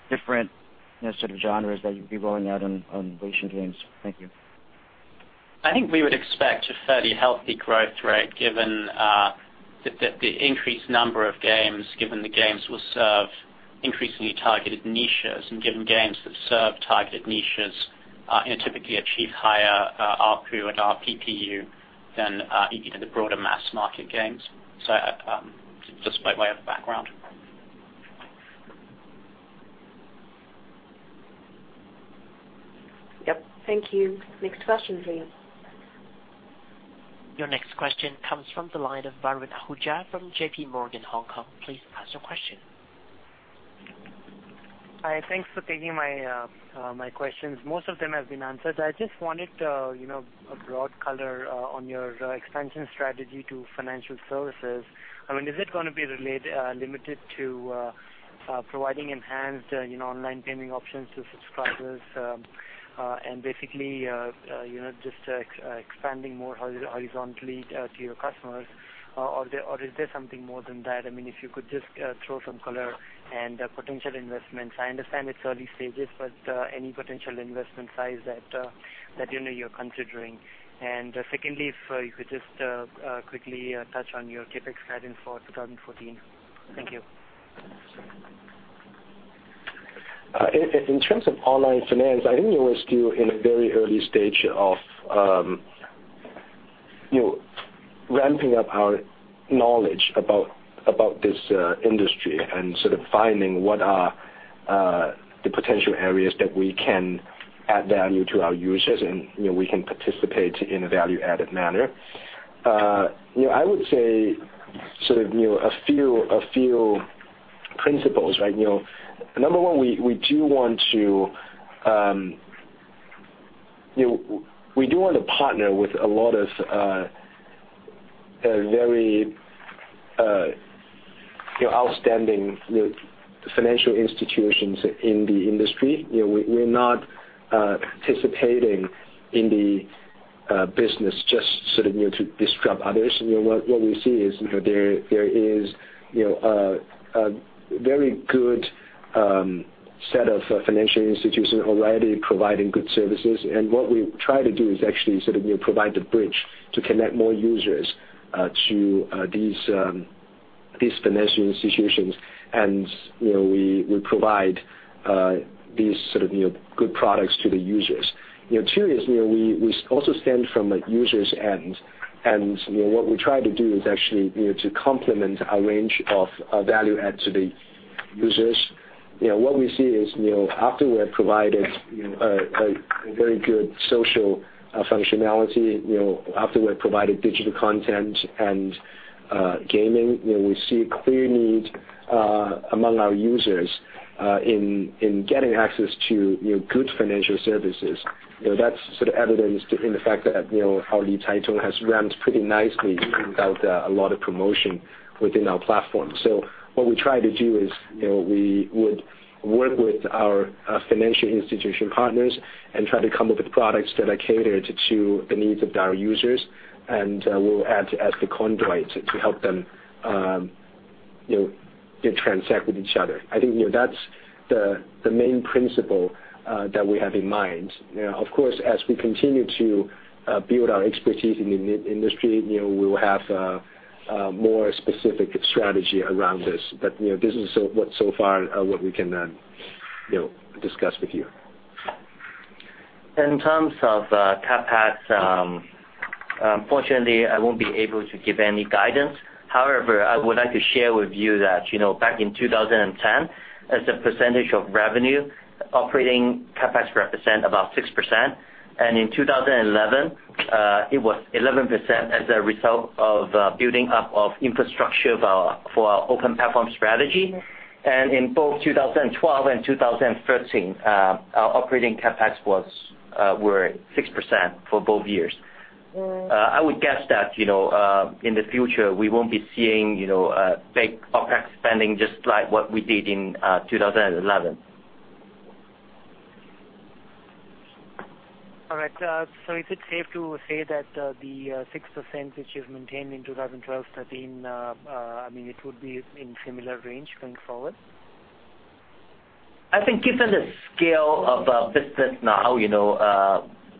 different sort of genres that you'll be rolling out on WeChat games. Thank you. I think we would expect a fairly healthy growth rate given the increased number of games, given the games will serve increasingly targeted niches and given games that serve targeted niches and typically achieve higher ARPU and RPPU than the broader mass market games. Just by way of background. Yep. Thank you. Next question for you. Your next question comes from the line of Varun Ahuja from JPMorgan, Hong Kong. Please ask your question. Hi, thanks for taking my questions. Most of them have been answered. I just wanted a broad color on your expansion strategy to financial services. I mean, is it going to be limited to providing enhanced online payment options to subscribers, and basically just expanding more horizontally to your customers? Is there something more than that? I mean, if you could just throw some color and potential investments. I understand it's early stages, but any potential investment size that you know you're considering. Secondly, if you could just quickly touch on your CapEx guidance for 2014. Thank you. In terms of online finance, I think we are still in a very early stage of ramping up our knowledge about this industry and sort of finding what are the potential areas that we can add value to our users and we can participate in a value-added manner. I would say sort of a few principles. Number 1, we do want to partner with a lot of very outstanding financial institutions in the industry. We're not participating in the business just to disrupt others. What we see is there is a very good set of financial institutions already providing good services, and what we try to do is actually provide the bridge to connect more users to these financial institutions. We provide these good products to the users. Two is we also stand from a user's end, what we try to do is actually to complement our range of value add to the users. What we see is, after we have provided a very good social functionality, after we have provided digital content and gaming, we see a clear need among our users in getting access to good financial services. That's evidenced in the fact that our Licaitong has ramped pretty nicely without a lot of promotion within our platform. What we try to do is we would work with our financial institution partners and try to come up with products that are catered to the needs of our users, and we will act as the conduit to help them to transact with each other. I think that's the main principle that we have in mind. Of course, as we continue to build our expertise in the industry, we will have a more specific strategy around this. This is so far what we can discuss with you. In terms of CapEx, unfortunately, I won't be able to give any guidance. However, I would like to share with you that back in 2010, as a percentage of revenue, operating CapEx represent about 6%, and in 2011, it was 11% as a result of building up of infrastructure for our open platform strategy. In both 2012 and 2013, our operating CapEx were 6% for both years. I would guess that in the future, we won't be seeing big OpEx spending just like what we did in 2011. All right. Is it safe to say that the 6% which you've maintained in 2012, 2013, it would be in similar range going forward? I think given the scale of our business now,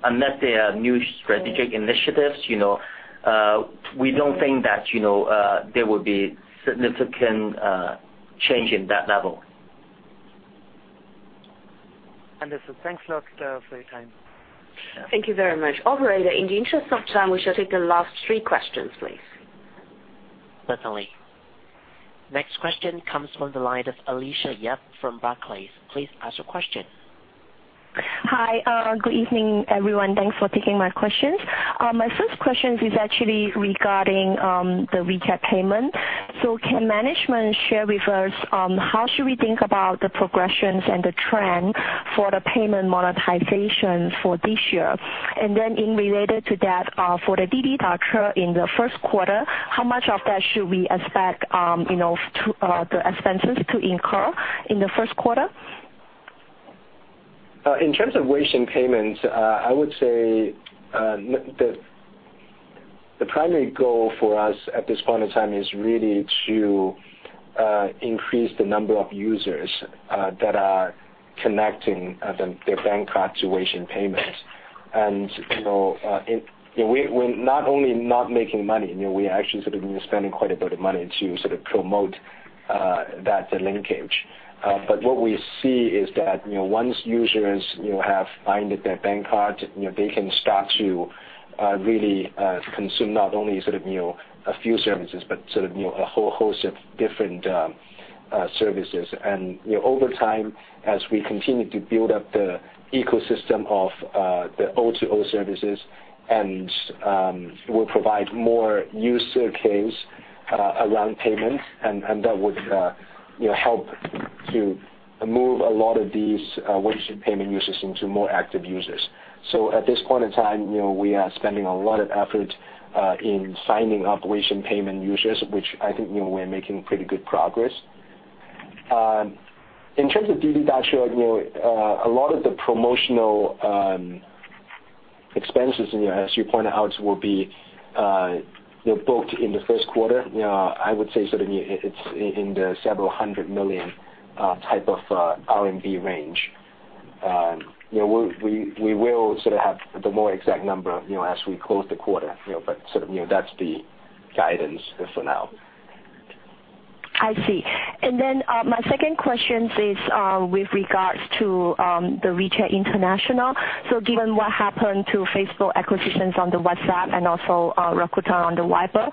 unless there are new strategic initiatives, we don't think that there will be significant change in that level. Understood. Thanks a lot for your time. Thank you very much. Operator, in the interest of time, we shall take the last three questions, please. Certainly. Next question comes from the line of Alicia Yap from Barclays. Please ask your question. Hi. Good evening, everyone. Thanks for taking my questions. My first question is actually regarding the WeChat payment. Can management share with us, how should we think about the progressions and the trend for the payment monetization for this year? In related to that, for the Didi Dache in the first quarter, how much of that should we expect the expenses to incur in the first quarter? In terms of WeChat payments, I would say the primary goal for us at this point in time is really to increase the number of users that are connecting their bank card to WeChat payment. We're not only not making money, we are actually spending quite a bit of money to promote that linkage. What we see is that once users have binded their bank card, they can start to really consume not only a few services, but a whole host of different services. Over time, as we continue to build up the ecosystem of the O2O services and we'll provide more user case around payment, that would help to move a lot of these WeChat payment users into more active users. At this point in time, we are spending a lot of effort in signing up WeChat payment users, which I think we're making pretty good progress. In terms of Didi Dache, a lot of the promotional expenses, as you pointed out, will be booked in the first quarter. I would say it's in the several hundred million type of CNY range. We will have the more exact number as we close the quarter, but that's the guidance for now. I see. My second question is with regards to the WeChat International. Given what happened to Facebook acquisitions on the WhatsApp and also Rakuten on the Viber,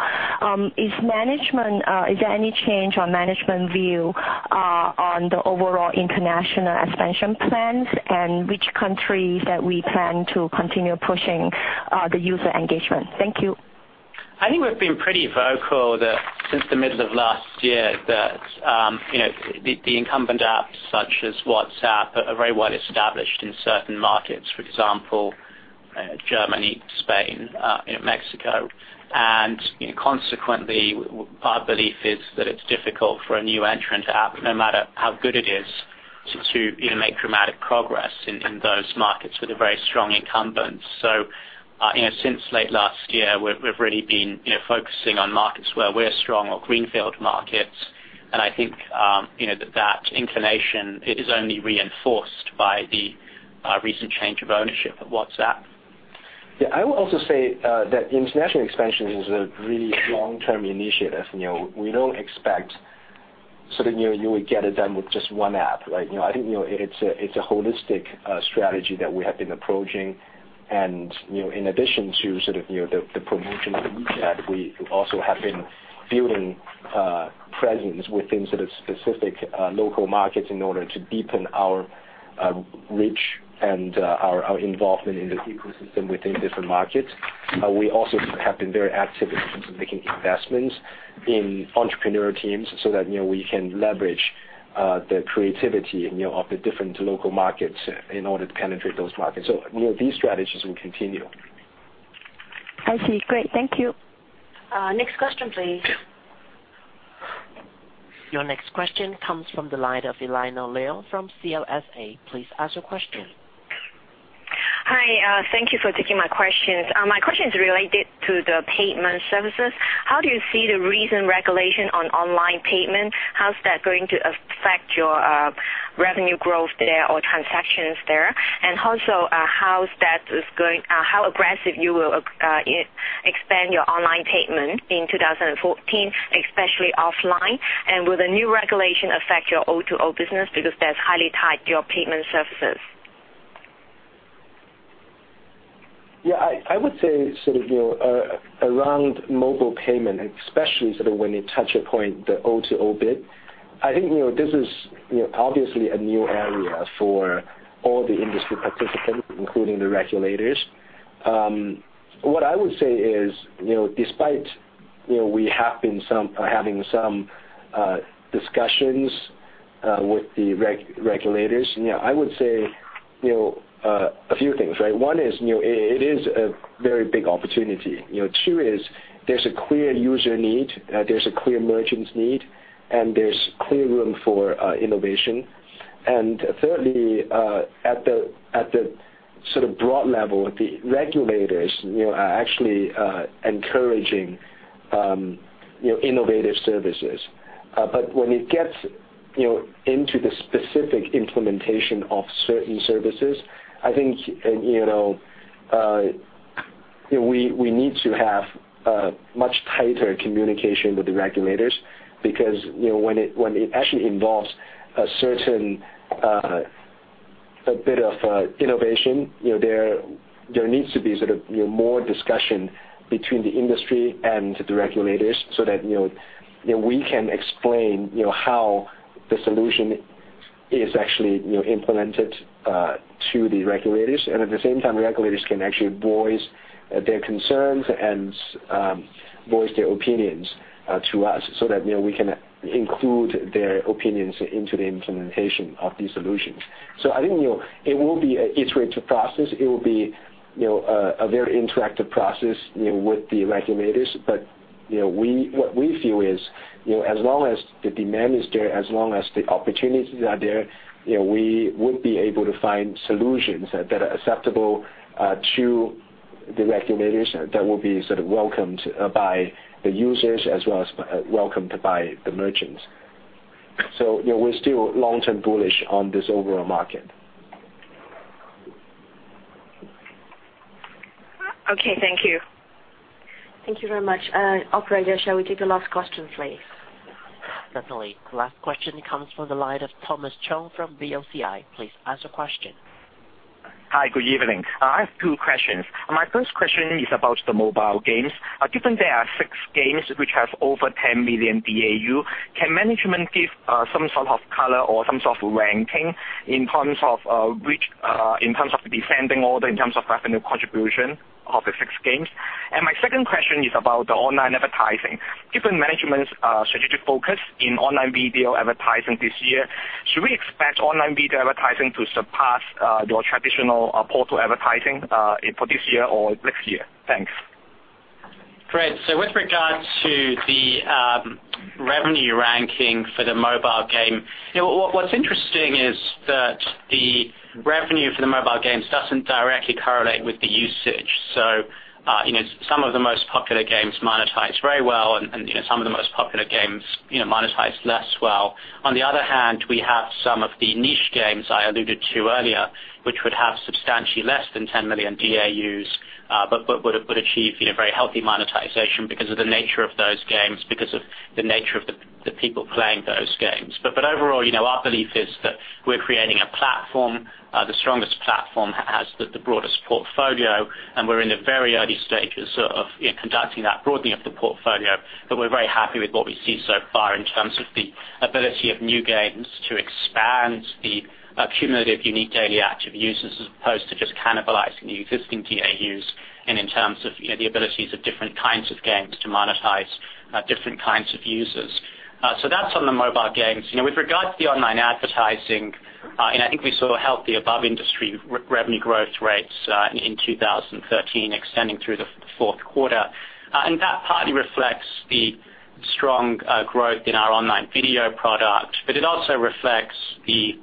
is there any change on management view on the overall international expansion plans and which countries that we plan to continue pushing the user engagement? Thank you. I think we've been pretty vocal since the middle of last year that the incumbent apps such as WhatsApp are very well established in certain markets, for example, Germany, Spain, Mexico. Consequently, our belief is that it's difficult for a new entrant app, no matter how good it is, to make dramatic progress in those markets with a very strong incumbent. Since late last year, we've really been focusing on markets where we're strong or greenfield markets, and I think that inclination is only reinforced by the recent change of ownership of WhatsApp. I would also say that international expansion is a really long-term initiative. We don't expect you would get it done with just one app, right? I think it's a holistic strategy that we have been approaching. In addition to the promotion of WeChat, we also have been building presence within specific local markets in order to deepen our reach and our involvement in the ecosystem within different markets. We also have been very active in making investments in entrepreneurial teams so that we can leverage the creativity of the different local markets in order to penetrate those markets. These strategies will continue. I see. Great. Thank you. Next question, please. Your next question comes from the line of Elinor Leung from CLSA. Please ask your question. Hi. Thank you for taking my questions. My question is related to the payment services. How do you see the recent regulation on online payment? How is that going to affect your revenue growth there or transactions there? Also, how aggressive you will expand your online payment in 2014, especially offline? Will the new regulation affect your O2O business because that is highly tied to your payment services? Yeah. I would say around mobile payment, especially when you touch a point, the O2O bit, I think this is obviously a new area for all the industry participants, including the regulators. What I would say is, despite we are having some discussions with the regulators, I would say a few things, right? One is, it is a very big opportunity. Two is, there is a clear user need, there is a clear merchant need, and there is clear room for innovation. Thirdly, at the broad level, the regulators are actually encouraging innovative services. When it gets into the specific implementation of certain services, I think we need to have a much tighter communication with the regulators because when it actually involves a certain bit of innovation, there needs to be more discussion between the industry and the regulators so that we can explain how the solution is actually implemented to the regulators. At the same time, regulators can actually voice their concerns and voice their opinions to us so that we can include their opinions into the implementation of these solutions. I think it will be a iterative process. It will be a very interactive process with the regulators. What we feel is, as long as the demand is there, as long as the opportunities are there, we would be able to find solutions that are acceptable to the regulators, that will be welcomed by the users as well as welcomed by the merchants. We're still long-term bullish on this overall market. Okay. Thank you. Thank you very much. Operator, shall we take the last question, please? Certainly. The last question comes from the line of Thomas Chong from BOCI. Please ask your question. Hi. Good evening. I have two questions. My first question is about the mobile games. Given there are six games which have over 10 million DAU, can management give some sort of color or some sort of ranking in terms of descending order, in terms of revenue contribution of the six games? My second question is about the online advertising. Given management's strategic focus in online video advertising this year, should we expect online video advertising to surpass your traditional portal advertising for this year or next year? Thanks. Great. With regards to the revenue ranking for the mobile game, what's interesting is that the revenue for the mobile games doesn't directly correlate with the usage. Some of the most popular games monetize very well, and some of the most popular games monetize less well. On the other hand, we have some of the niche games I alluded to earlier, which would have substantially less than 10 million DAUs, but would achieve very healthy monetization because of the nature of those games, because of the nature of the people playing those games. Overall, our belief is that we're creating a platform, the strongest platform that has the broadest portfolio, and we're in the very early stages of conducting that broadening of the portfolio. We're very happy with what we see so far in terms of the ability of new games to expand the cumulative unique daily active users as opposed to just cannibalizing the existing DAUs, and in terms of the abilities of different kinds of games to monetize different kinds of users. That's on the mobile games. With regards to the online advertising, I think we saw healthy above-industry revenue growth rates in 2013 extending through the fourth quarter. That partly reflects the strong growth in our online video product, but it also reflects the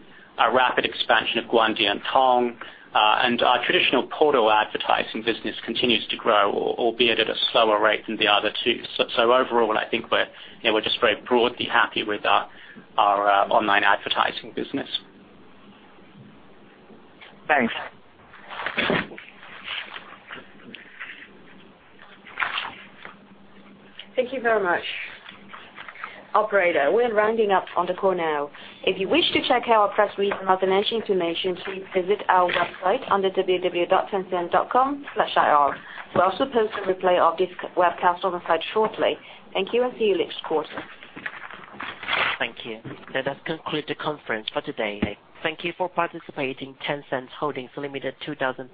rapid expansion of Guangdian Tong. Our traditional portal advertising business continues to grow, albeit at a slower rate than the other two. Overall, I think we're just very broadly happy with our online advertising business. Thanks. Thank you very much. Operator, we're rounding up on the call now. If you wish to check out our press release and our financial information, please visit our website under www.tencent.com/ir. We'll also post a replay of this webcast on the site shortly. Thank you, and see you next quarter. Thank you. That does conclude the conference for today. Thank you for participating. Tencent Holdings Limited 201-